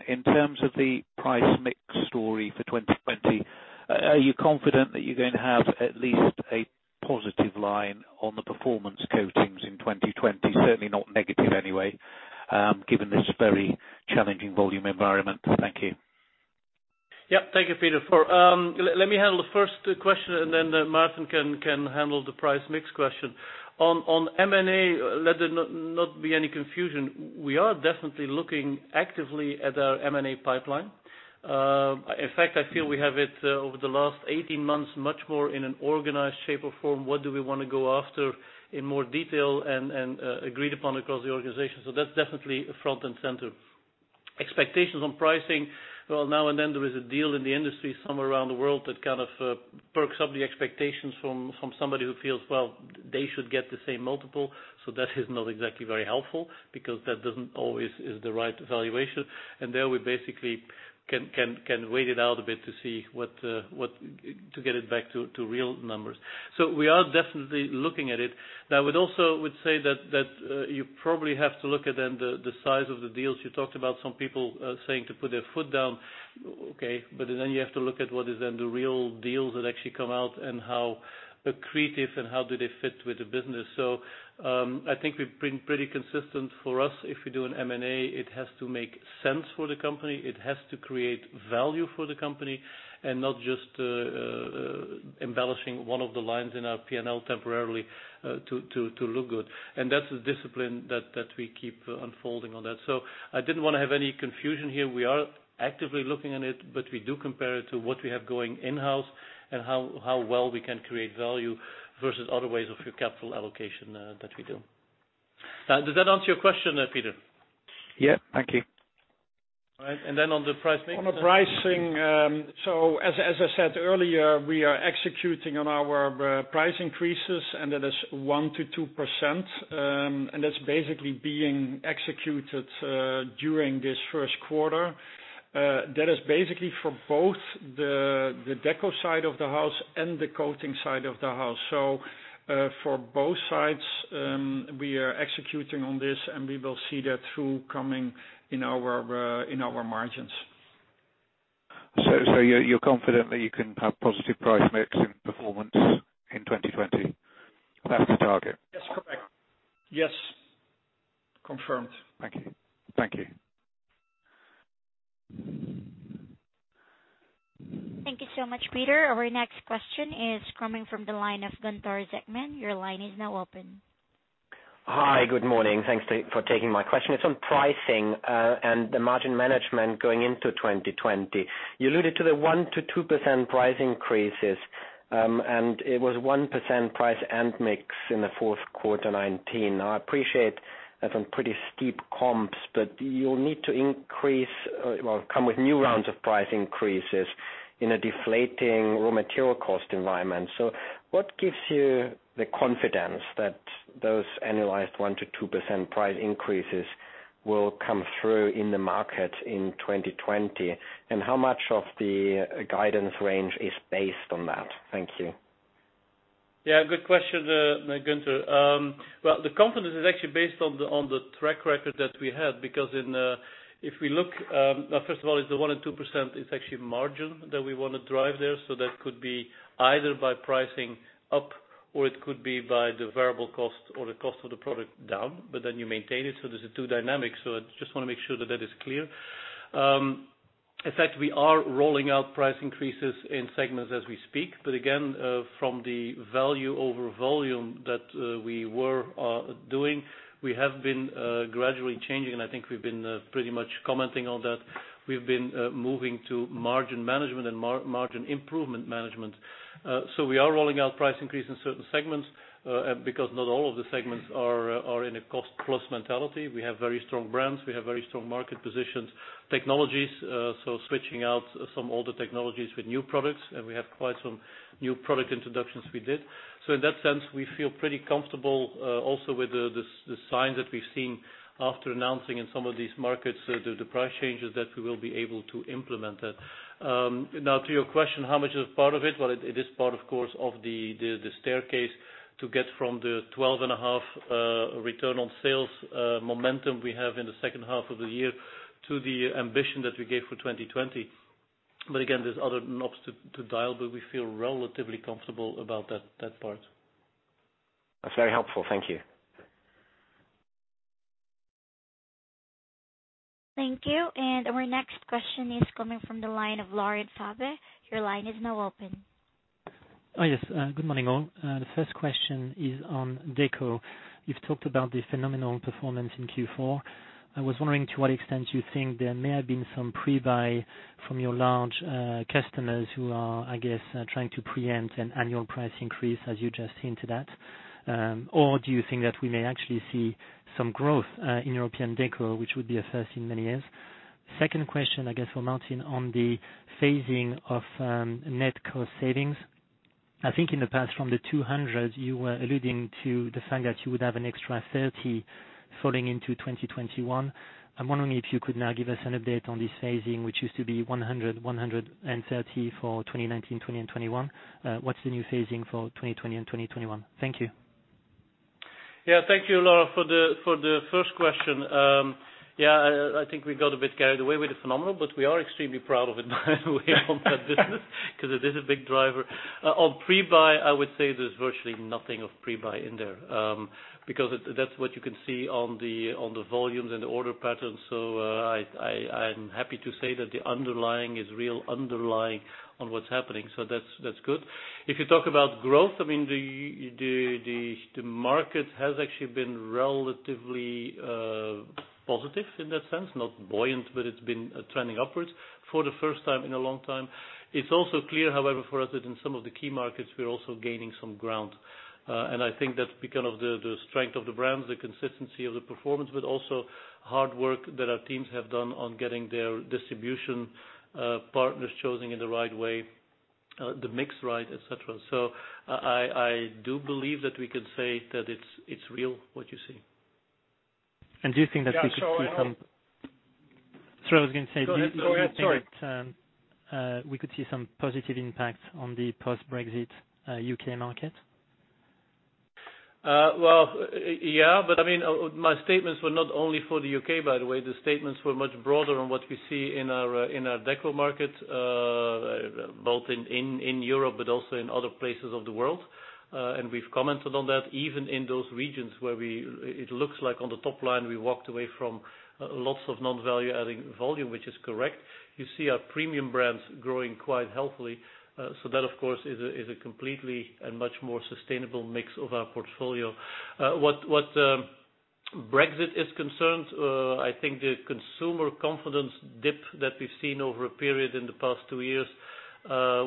In terms of the price mix story for 2020, are you confident that you're going to have at least a positive line on the Performance Coatings in 2020? Certainly not negative anyway, given this very challenging volume environment. Thank you. Yeah. Thank you, Peter. Let me handle the first question and then Maarten can handle the price mix question. On M&A, let there not be any confusion. We are definitely looking actively at our M&A pipeline. In fact, I feel we have it over the last 18 months, much more in an organized shape or form, what do we want to go after in more detail and agreed upon across the organization. That's definitely front and center. Expectations on pricing. Well, now and then there is a deal in the industry somewhere around the world that kind of perks up the expectations from somebody who feels, well, they should get the same multiple. That is not exactly very helpful because that doesn't always is the right valuation. There we basically can wait it out a bit to get it back to real numbers. We are definitely looking at it. Now, I would also would say that you probably have to look at then the size of the deals. You talked about some people saying to put their foot down. Okay. You have to look at what is then the real deals that actually come out and how accretive and how do they fit with the business. I think we've been pretty consistent. For us, if we do an M&A, it has to make sense for the company. It has to create value for the company and not just embellishing one of the lines in our P&L temporarily to look good. That's the discipline that we keep unfolding on that. I didn't want to have any confusion here. We are actively looking at it, but we do compare it to what we have going in-house and how well we can create value versus other ways of your capital allocation that we do. Does that answer your question, Peter? Yeah. Thank you. All right. On the price mix? On the pricing, as I said earlier, we are executing on our price increases, and that is 1%-2%, and that's basically being executed during this first quarter. That is basically for both the Deco side of the house and the coating side of the house. For both sides, we are executing on this, and we will see that through coming in our margins. You're confident that you can have positive price mix and performance in 2020? That's the target? Yes, correct. Yes, confirmed. Thank you. Thank you so much, Peter. Our next question is coming from the line of Gunther Zechmann. Your line is now open. Hi. Good morning. Thanks for taking my question. It's on pricing and the margin management going into 2020. You alluded to the 1%-2% price increases, and it was 1% price and mix in the fourth quarter 2019. I appreciate that's on pretty steep comps, but you'll need to increase or come with new rounds of price increases in a deflating raw material cost environment. What gives you the confidence that those annualized 1%-2% price increases will come through in the market in 2020? How much of the guidance range is based on that? Thank you. Yeah, good question, Gunther. Well, the confidence is actually based on the track record that we had because if we look, first of all, it's the 1% and 2% is actually margin that we want to drive there. That could be either by pricing up or it could be by the variable cost or the cost of the product down, but then you maintain it. There's two dynamics. I just want to make sure that that is clear. In fact, we are rolling out price increases in segments as we speak. Again, from the value over volume that we were doing, we have been gradually changing, and I think we've been pretty much commenting on that. We've been moving to margin management and margin improvement management. We are rolling out price increase in certain segments because not all of the segments are in a cost-plus mentality. We have very strong brands. We have very strong market positions, technologies, so switching out some older technologies with new products, and we have quite some new product introductions we did. In that sense, we feel pretty comfortable, also with the signs that we've seen after announcing in some of these markets, the price changes that we will be able to implement that. Now to your question, how much is part of it? Well, it is part, of course, of the staircase to get from the 12.5% return on sales momentum we have in the second half of the year to the ambition that we gave for 2020. Again, there's other knobs to dial, but we feel relatively comfortable about that part. That's very helpful. Thank you. Thank you. Our next question is coming from the line of Laurent Favre. Your line is now open. Yes. Good morning, all. The first question is on Deco. You've talked about the phenomenal performance in Q4. I was wondering to what extent you think there may have been some pre-buy from your large customers who are, I guess, trying to preempt an annual price increase as you just hinted at. Do you think that we may actually see some growth in European Deco, which would be a first in many years? Second question, I guess, for Maarten on the phasing of net cost savings. I think in the past from the 200, you were alluding to the fact that you would have an extra 30 falling into 2021. I'm wondering if you could now give us an update on this phasing, which used to be 100/130 for 2019, 2020, and 2021. What's the new phasing for 2020 and 2021? Thank you. Yeah. Thank you, Laurent, for the first question. Yeah, I think we got a bit carried away with the phenomenal, but we are extremely proud of it on that business because it is a big driver. On pre-buy, I would say there's virtually nothing of pre-buy in there because that's what you can see on the volumes and the order patterns. I'm happy to say that the underlying is real underlying on what's happening. That's good. If you talk about growth, the market has actually been relatively positive in that sense, not buoyant, but it's been trending upwards for the first time in a long time. It's also clear, however, for us that in some of the key markets, we're also gaining some ground. I think that's because of the strength of the brands, the consistency of the performance, but also hard work that our teams have done on getting their distribution partners chosen in the right way, the mix right, et cetera. I do believe that we can say that it's real, what you see. Do you think that we could see? Yeah. Sorry, I was going to say- Go ahead. Sorry. do you think that we could see some positive impact on the post-Brexit U.K. market? Yeah, my statements were not only for the U.K., by the way, the statements were much broader on what we see in our Deco market both in Europe, but also in other places of the world. We've commented on that even in those regions where it looks like on the top line, we walked away from lots of non-value adding volume, which is correct. You see our premium brands growing quite healthily. That, of course, is a completely and much more sustainable mix of our portfolio. What Brexit is concerned, I think the consumer confidence dip that we've seen over a period in the past two years,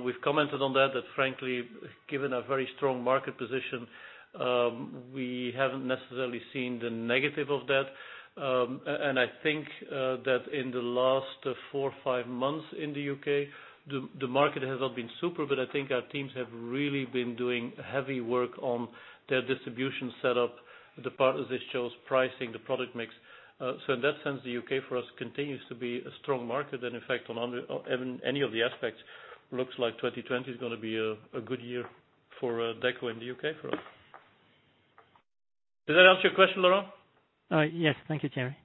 we've commented on that frankly, given our very strong market position, we haven't necessarily seen the negative of that. I think that in the last four or five months in the U.K., the market has not been super, but I think our teams have really been doing heavy work on their distribution setup, the partners they chose, pricing, the product mix. In that sense, the U.K. for us continues to be a strong market. In fact, on any of the aspects, looks like 2020 is going to be a good year for Deco in the U.K. for us. Does that answer your question, Laurent? Yes. Thank you, Thierry.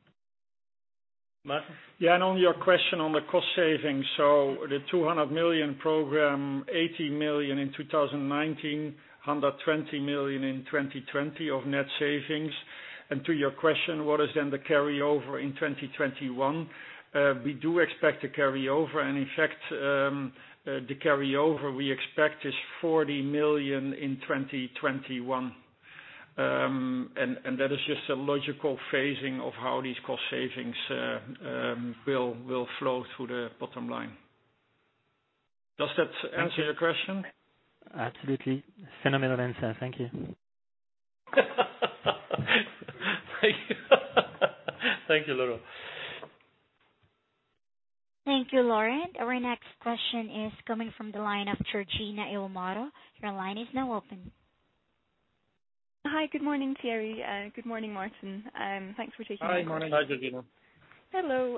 Maarten? Yeah, on your question on the cost savings, the 200 million program, 80 million in 2019, 120 million in 2020 of net savings. To your question, what is then the carryover in 2021? We do expect a carryover. In fact, the carryover we expect is 40 million in 2021. That is just a logical phasing of how these cost savings will flow through the bottom line. Does that answer your question? Absolutely. Phenomenal answer. Thank you. Thank you, Laurent. Thank you, Laurent. Our next question is coming from the line of Georgina Iwamoto. Your line is now open. Hi. Good morning, Thierry. Good morning, Maarten. Thanks for taking my call. Hi, Georgina. Hi, Georgina. Hello.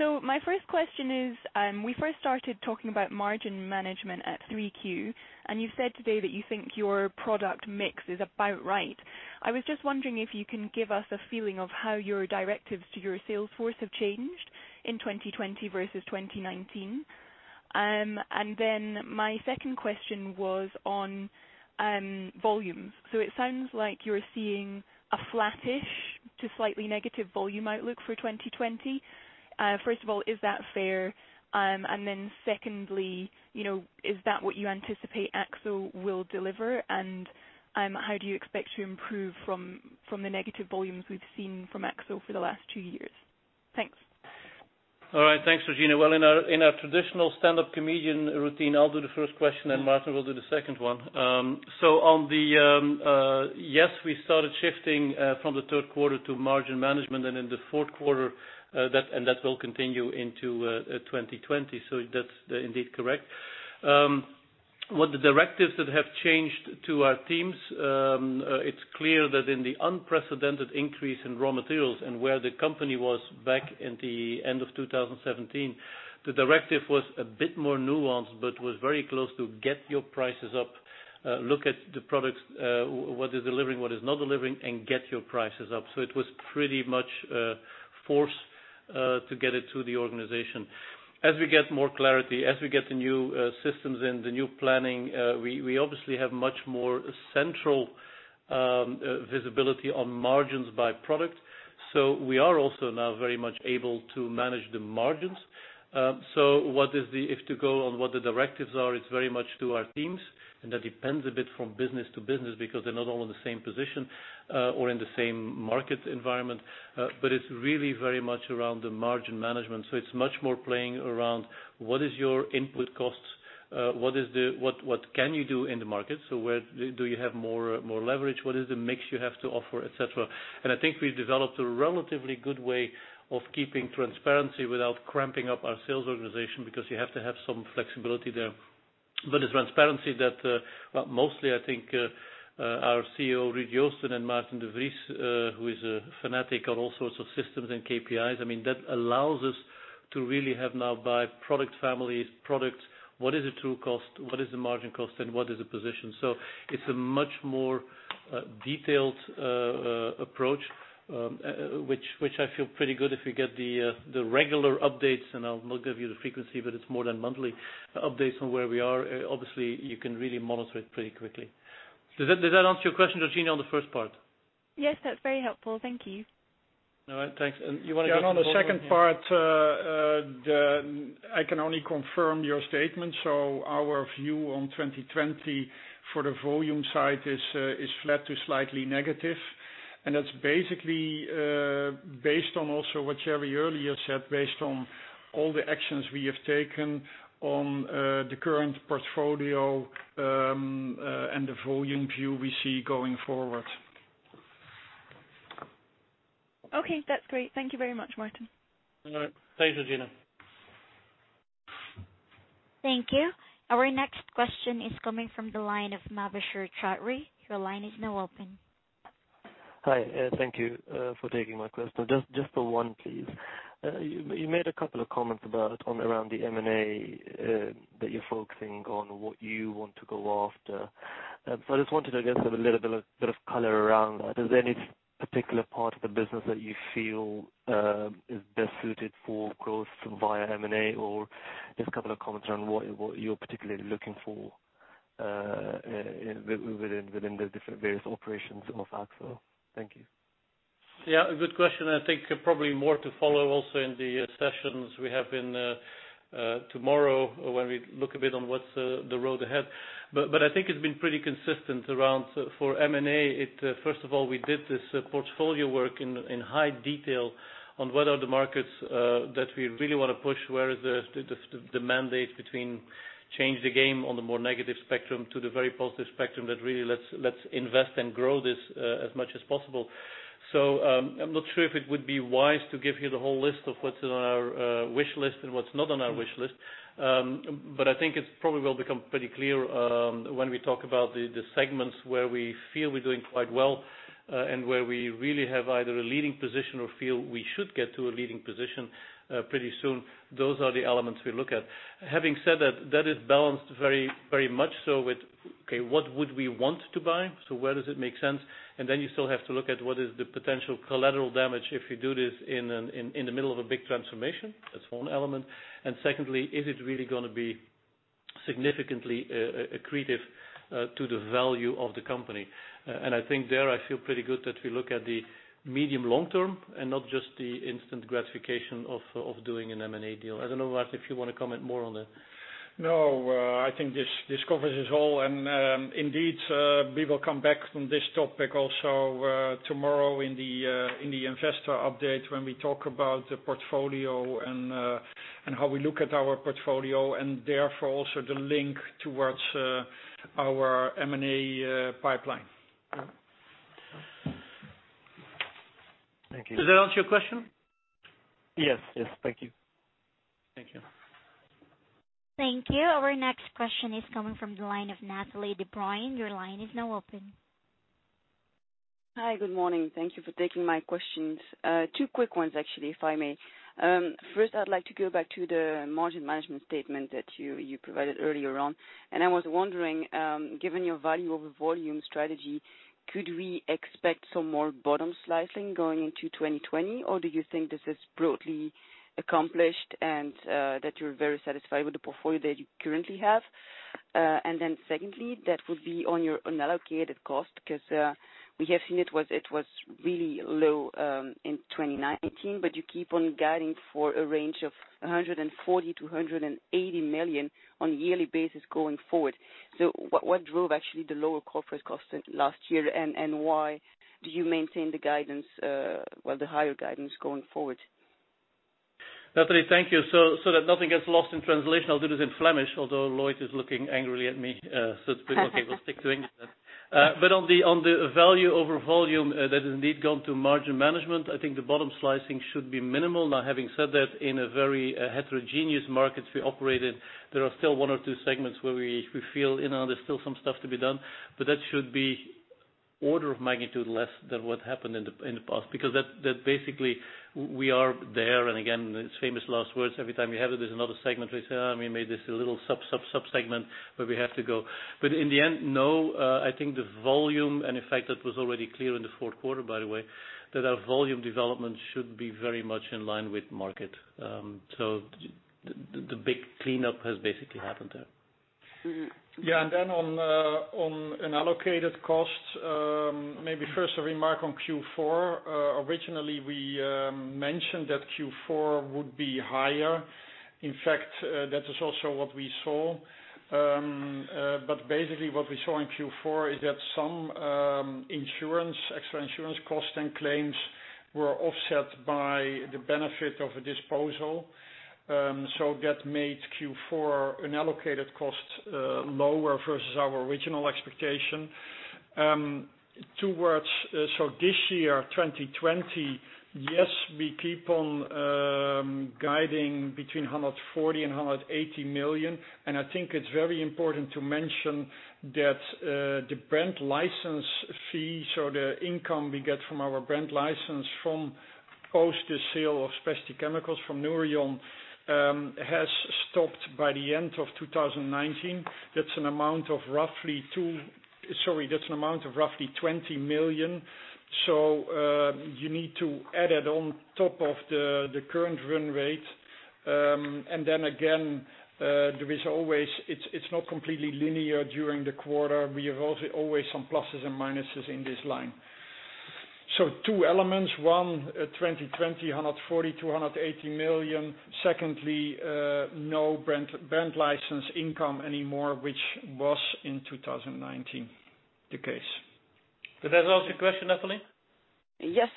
My first question is, we first started talking about margin management at 3Q, and you've said today that you think your product mix is about right. I was just wondering if you can give us a feeling of how your directives to your sales force have changed in 2020 versus 2019. My second question was on volumes. It sounds like you're seeing a flattish to slightly negative volume outlook for 2020. First of all, is that fair? Secondly, is that what you anticipate Akzo will deliver and how do you expect to improve from the negative volumes we've seen from Akzo for the last two years? Thanks. All right. Thanks, Georgina. Well, in our traditional standup comedian routine, I'll do the first question, and Maarten will do the second one. On the Yes, we started shifting from the third quarter to margin management and in the fourth quarter, and that will continue into 2020. That's indeed correct. What the directives that have changed to our teams, it's clear that in the unprecedented increase in raw materials and where the company was back in the end of 2017, the directive was a bit more nuanced, but was very close to get your prices up, look at the products, what is delivering, what is not delivering, and get your prices up. It was pretty much forced to get it to the organization. As we get more clarity, as we get the new systems in, the new planning, we obviously have much more central visibility on margins by product. We are also now very much able to manage the margins. If to go on what the directives are, it's very much to our teams, and that depends a bit from business to business because they're not all in the same position, or in the same market environment. It's really very much around the margin management. It's much more playing around what is your input costs? What can you do in the market? Where do you have more leverage? What is the mix you have to offer, et cetera. I think we've developed a relatively good way of keeping transparency without cramping up our sales organization, because you have to have some flexibility there. It's transparency that, well, mostly I think, our COO, Ruud Joosten and Maarten de Vries, who is a fanatic on all sorts of systems and KPIs, I mean, that allows us to really have now by product families, products, what is the true cost, what is the margin cost, and what is the position. It's a much more detailed approach, which I feel pretty good if we get the regular updates and I'll not give you the frequency, but it's more than monthly updates on where we are. Obviously, you can really monitor it pretty quickly. Does that answer your question, Georgina, on the first part? Yes. That's very helpful. Thank you. All right. Thanks. You want to get the follow-up? Yeah, on the second part, I can only confirm your statement. Our view on 2020 for the volume side is flat to slightly negative. That's basically based on also what Thierry earlier said, based on all the actions we have taken on the current portfolio, and the volume view we see going forward. Okay. That's great. Thank you very much, Maarten. All right. Thanks, Georgina. Thank you. Our next question is coming from the line of Mubasher Chaudhry. Your line is now open. Hi. Thank you for taking my question. Just the one, please. You made a couple of comments around the M&A, that you're focusing on what you want to go after. I just wanted, I guess, have a little bit of color around that. Is there any particular part of the business that you feel is best suited for growth via M&A, or just a couple of comments around what you're particularly looking for within the different various operations of Akzo? Thank you. A good question. I think probably more to follow also in the sessions we have tomorrow when we look a bit on what's the road ahead. I think it's been pretty consistent around for M&A, first of all, we did this portfolio work in high detail on what are the markets that we really want to push, where is the mandate between change the game on the more negative spectrum to the very positive spectrum that really let's invest and grow this as much as possible. I'm not sure if it would be wise to give you the whole list of what's on our wish list and what's not on our wish list. I think it probably will become pretty clear when we talk about the segments where we feel we're doing quite well, and where we really have either a leading position or feel we should get to a leading position pretty soon. Those are the elements we look at. Having said that is balanced very much so with, okay, what would we want to buy? Where does it make sense? Then you still have to look at what is the potential collateral damage if you do this in the middle of a big transformation. That's one element. Secondly, is it really going to be significantly accretive to the value of the company? I think there, I feel pretty good that we look at the medium long term and not just the instant gratification of doing an M&A deal. I don't know, Maarten, if you want to comment more on that? No, I think this covers it all. Indeed, we will come back on this topic also tomorrow in the Investor Update when we talk about the portfolio and how we look at our portfolio and therefore also the link towards our M&A pipeline. Thank you. Does that answer your question? Yes. Thank you. Thank you. Thank you. Our next question is coming from the line of Natalie Debroine. Your line is now open. Hi. Good morning. Thank you for taking my questions. Two quick ones, actually, if I may. First, I'd like to go back to the margin management statement that you provided earlier on. I was wondering, given your value over volume strategy, could we expect some more bottom slicing going into 2020, or do you think this is broadly accomplished and that you're very satisfied with the portfolio that you currently have? Secondly, that would be on your unallocated cost, because, we have seen it was really low in 2019, but you keep on guiding for a range of 140 million-180 million on a yearly basis going forward. What drove actually the lower corporate cost last year, and why do you maintain the higher guidance going forward? Natalie, thank you. That nothing gets lost in translation, I'll do this in Flemish, although Lloyd is looking angrily at me. It's okay, we'll stick to English then. On the value over volume, that has indeed gone to margin management. I think the bottom slicing should be minimal. Having said that, in a very heterogeneous markets we operate in, there are still one or two segments where we feel there's still some stuff to be done. That should be order of magnitude less than what happened in the past, because that basically we are there, and again, it's famous last words. Every time you have it, there's another segment where you say, "We made this a little sub-segment where we have to go." In the end, no, I think the volume and effect that was already clear in the fourth quarter, by the way, that our volume development should be very much in line with market. The big cleanup has basically happened there. On unallocated costs, maybe first a remark on Q4. Originally, we mentioned that Q4 would be higher. In fact, that is also what we saw. Basically what we saw in Q4 is that some extra insurance costs and claims were offset by the benefit of a disposal. That made Q4 unallocated costs lower versus our original expectation. Towards this year, 2020, yes, we keep on guiding between 140 million and 180 million, and I think it's very important to mention that the brand license fee, so the income we get from our brand license from post the sale of Specialty Chemicals from Nouryon, has stopped by the end of 2019. That's an amount of roughly 20 million. You need to add it on top of the current run rate. Again, it's not completely linear during the quarter. We have always some pluses and minuses in this line. Two elements. One, 2020, 140 million-180 million. Secondly, no brand license income anymore, which was in 2019 the case. Did that answer your question, Natalie? Yes,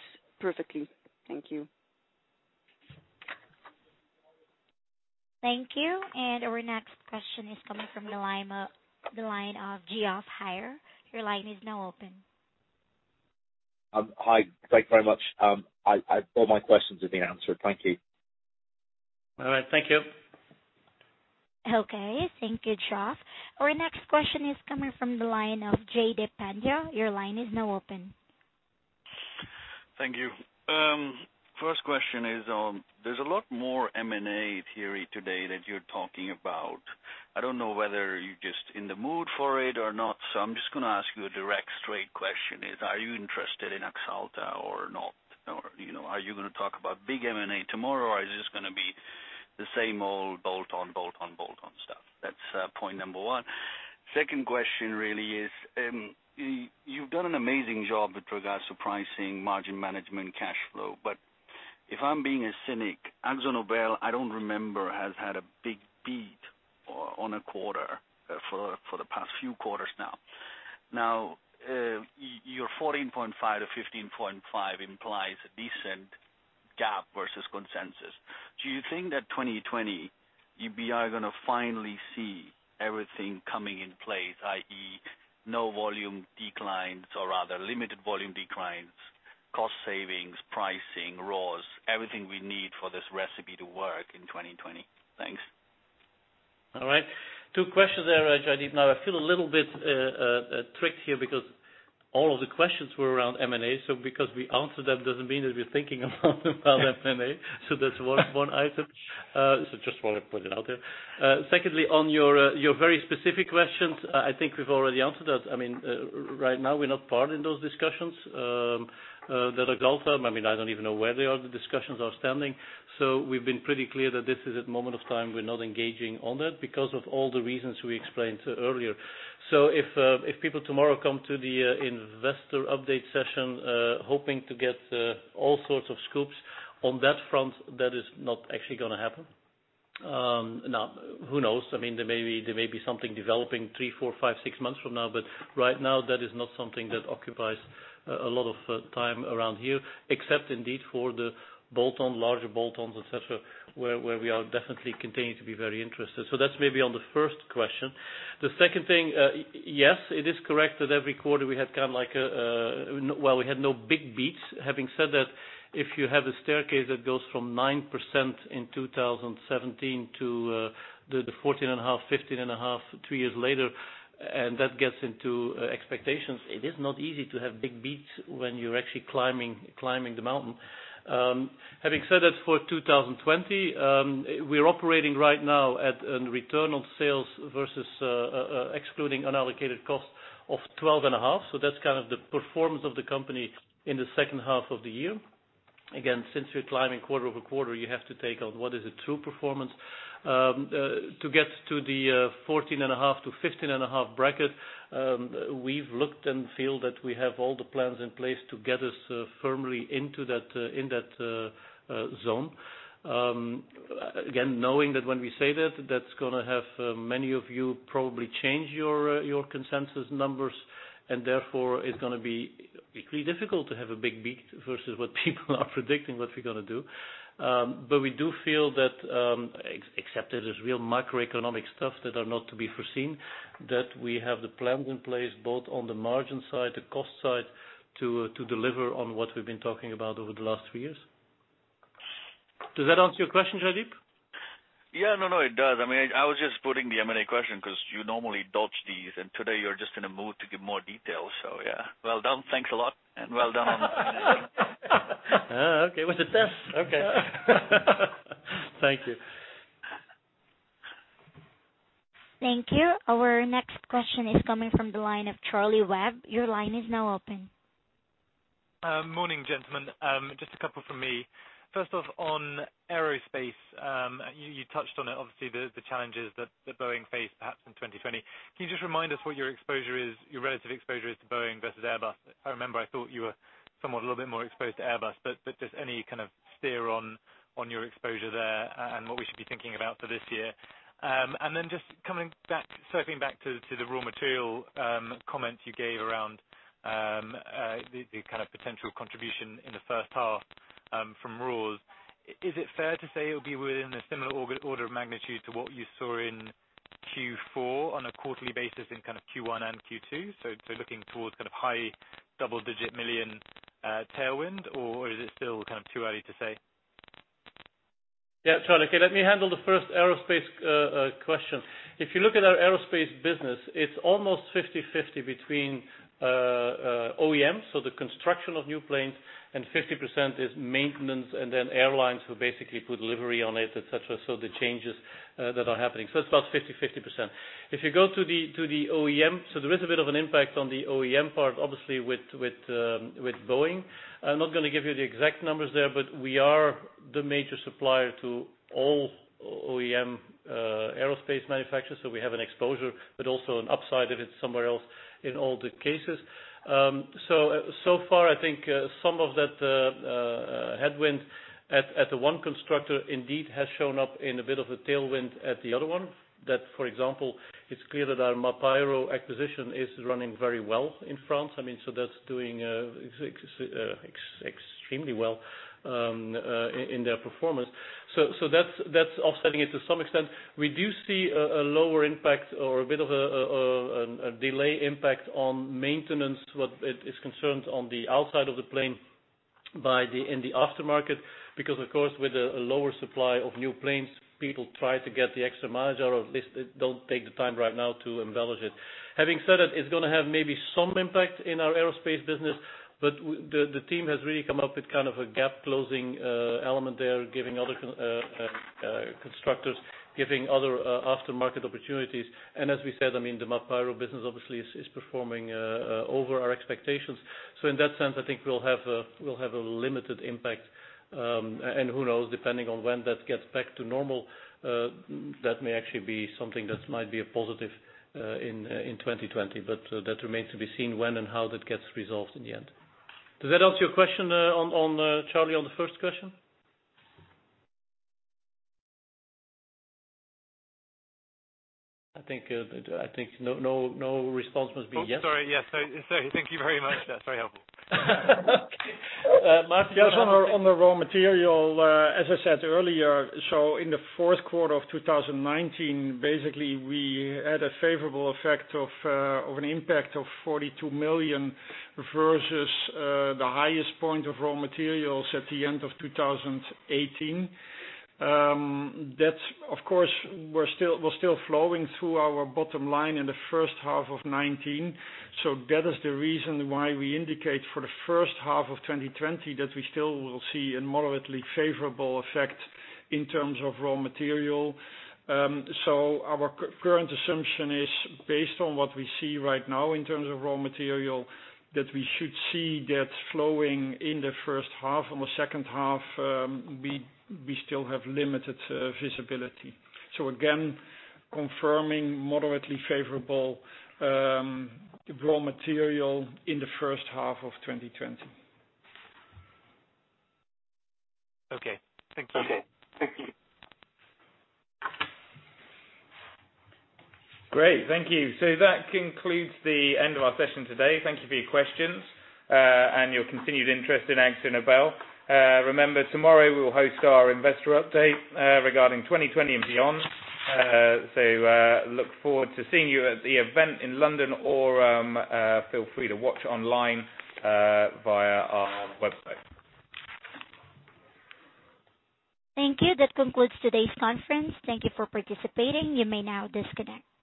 perfectly. Thank you. Thank you. Our next question is coming from the line of Geoff Haire. Your line is now open. Hi. Thank you very much. All my questions have been answered. Thank you. All right. Thank you. Okay. Thank you, Geoff. Our next question is coming from the line of Jaideep Pandya. Your line is now open. Thank you. First question is, there's a lot more M&A theory today that you're talking about. I don't know whether you're just in the mood for it or not. I'm just going to ask you a direct, straight question is, are you interested in Axalta or not? Are you going to talk about big M&A tomorrow, or is this going to be the same old bolt-on stuff? That's point number one. Second question really is, you've done an amazing job with regards to pricing, margin management, and cash flow. If I'm being a cynic, AkzoNobel, I don't remember, has had a big beat on a quarter for the past few quarters now. Your 14.5%-15.5% implies a decent gap versus consensus. Do you think that 2020, you are going to finally see everything coming in place, i.e., no volume declines or rather limited volume declines, cost savings, pricing, raws, everything we need for this recipe to work in 2020? Thanks. All right. Two questions there, Jaideep. Now I feel a little bit tricked here because all of the questions were around M&A, so because we answered them doesn't mean that we're thinking about M&A. That's one item. Just want to put it out there. Secondly, on your very specific questions, I think we've already answered that. Right now, we're not part in those discussions that Axalta, I don't even know where the discussions are standing. We've been pretty clear that this is a moment of time we're not engaging on that because of all the reasons we explained earlier. If people tomorrow come to the Investor Update session hoping to get all sorts of scoops on that front, that is not actually going to happen. Now, who knows, there may be something developing three, four, five, six months from now, but right now, that is not something that occupies a lot of time around here, except indeed for the larger bolt-ons, et cetera, where we are definitely continuing to be very interested. That's maybe on the first question. The second thing, yes, it is correct that every quarter we had no big beats. Having said that, if you have a staircase that goes from 9% in 2017 to the 14.5%-15.5% three years later, and that gets into expectations, it is not easy to have big beats when you're actually climbing the mountain. Having said that, for 2020, we're operating right now at a return on sales versus excluding unallocated cost of 12.5%. That's kind of the performance of the company in the second half of the year. Again, since you're climbing quarter-over-quarter, you have to take on what is the true performance. To get to the 14.5%-15.5% bracket, we've looked and feel that we have all the plans in place to get us firmly into that zone. Again, knowing that when we say that's going to have many of you probably change your consensus numbers, and therefore, it's going to be difficult to have a big beat versus what people are predicting what we're going to do. We do feel that except there is real macroeconomic stuff that are not to be foreseen, that we have the plans in place, both on the margin side, the cost side, to deliver on what we've been talking about over the last few years. Does that answer your question, Jaideep? Yeah. No, no, it does. I was just putting the M&A question because you normally dodge these. Today you're just in a mood to give more details, so, yeah. Well done. Thanks a lot. Well done on that. Okay. It was a test. Okay. Thank you. Thank you. Our next question is coming from the line of Charlie Webb. Your line is now open. Morning, gentlemen. Just a couple from me. First off, on aerospace. You touched on it, obviously, the challenges that Boeing face perhaps in 2020. Can you just remind us what your relative exposure is to Boeing versus Airbus? I remember I thought you were somewhat a little bit more exposed to Airbus, but just any kind of steer on your exposure there and what we should be thinking about for this year. Then just circling back to the raw material comments you gave around the kind of potential contribution in the first half from raw. Is it fair to say it would be within a similar order of magnitude to what you saw in Q4 on a quarterly basis in Q1 and Q2? Looking towards high double-digit million tailwind, or is it still too early to say? Yeah, Charlie. Okay, let me handle the first aerospace question. If you look at our aerospace business, it's almost 50/50 between OEMs, so the construction of new planes, and 50% is maintenance, and then airlines who basically put livery on it, et cetera, so the changes that are happening. It's about 50%. If you go to the OEM, there is a bit of an impact on the OEM part, obviously, with Boeing. I'm not going to give you the exact numbers there, but we are the major supplier to all OEM aerospace manufacturers. We have an exposure, but also an upside if it's somewhere else in all the cases. Far, I think some of that headwind at one constructor indeed has shown up in a bit of a tailwind at the other one. For example, it's clear that our Mapaero acquisition is running very well in France. That's doing extremely well in their performance. That's offsetting it to some extent. We do see a lower impact or a bit of a delay impact on maintenance, what it is concerned on the outside of the plane in the aftermarket, because, of course, with a lower supply of new planes, people try to get the extra margin, or at least don't take the time right now to embellish it. Having said that, it's going to have maybe some impact in our aerospace business, but the team has really come up with kind of a gap-closing element there, giving other constructors, giving other aftermarket opportunities. As we said, the Mapaero business obviously is performing over our expectations. In that sense, I think we'll have a limited impact. Who knows, depending on when that gets back to normal, that may actually be something that might be a positive in 2020. That remains to be seen when and how that gets resolved in the end. Does that answer your question, Charlie, on the first question? I think no response must be yes. Oh, sorry. Yes. Thank you very much. That's very helpful. Okay. Maarten? On the raw material, as I said earlier, in the fourth quarter of 2019, basically, we had a favorable effect of an impact of 42 million versus the highest point of raw materials at the end of 2018. That, of course, was still flowing through our bottom line in the first half of 2019. That is the reason why we indicate for the first half of 2020 that we still will see a moderately favorable effect in terms of raw material. Our current assumption is based on what we see right now in terms of raw material, that we should see that flowing in the first half. On the second half, we still have limited visibility. Again, confirming moderately favorable raw material in the first half of 2020. Okay. Thank you. Great. Thank you. That concludes the end of our session today. Thank you for your questions, and your continued interest in AkzoNobel. Remember, tomorrow we will host our Investor Update 2020 and Beyond. Look forward to seeing you at the event in London or feel free to watch online via our website. Thank you. That concludes today's conference. Thank you for participating. You may now disconnect.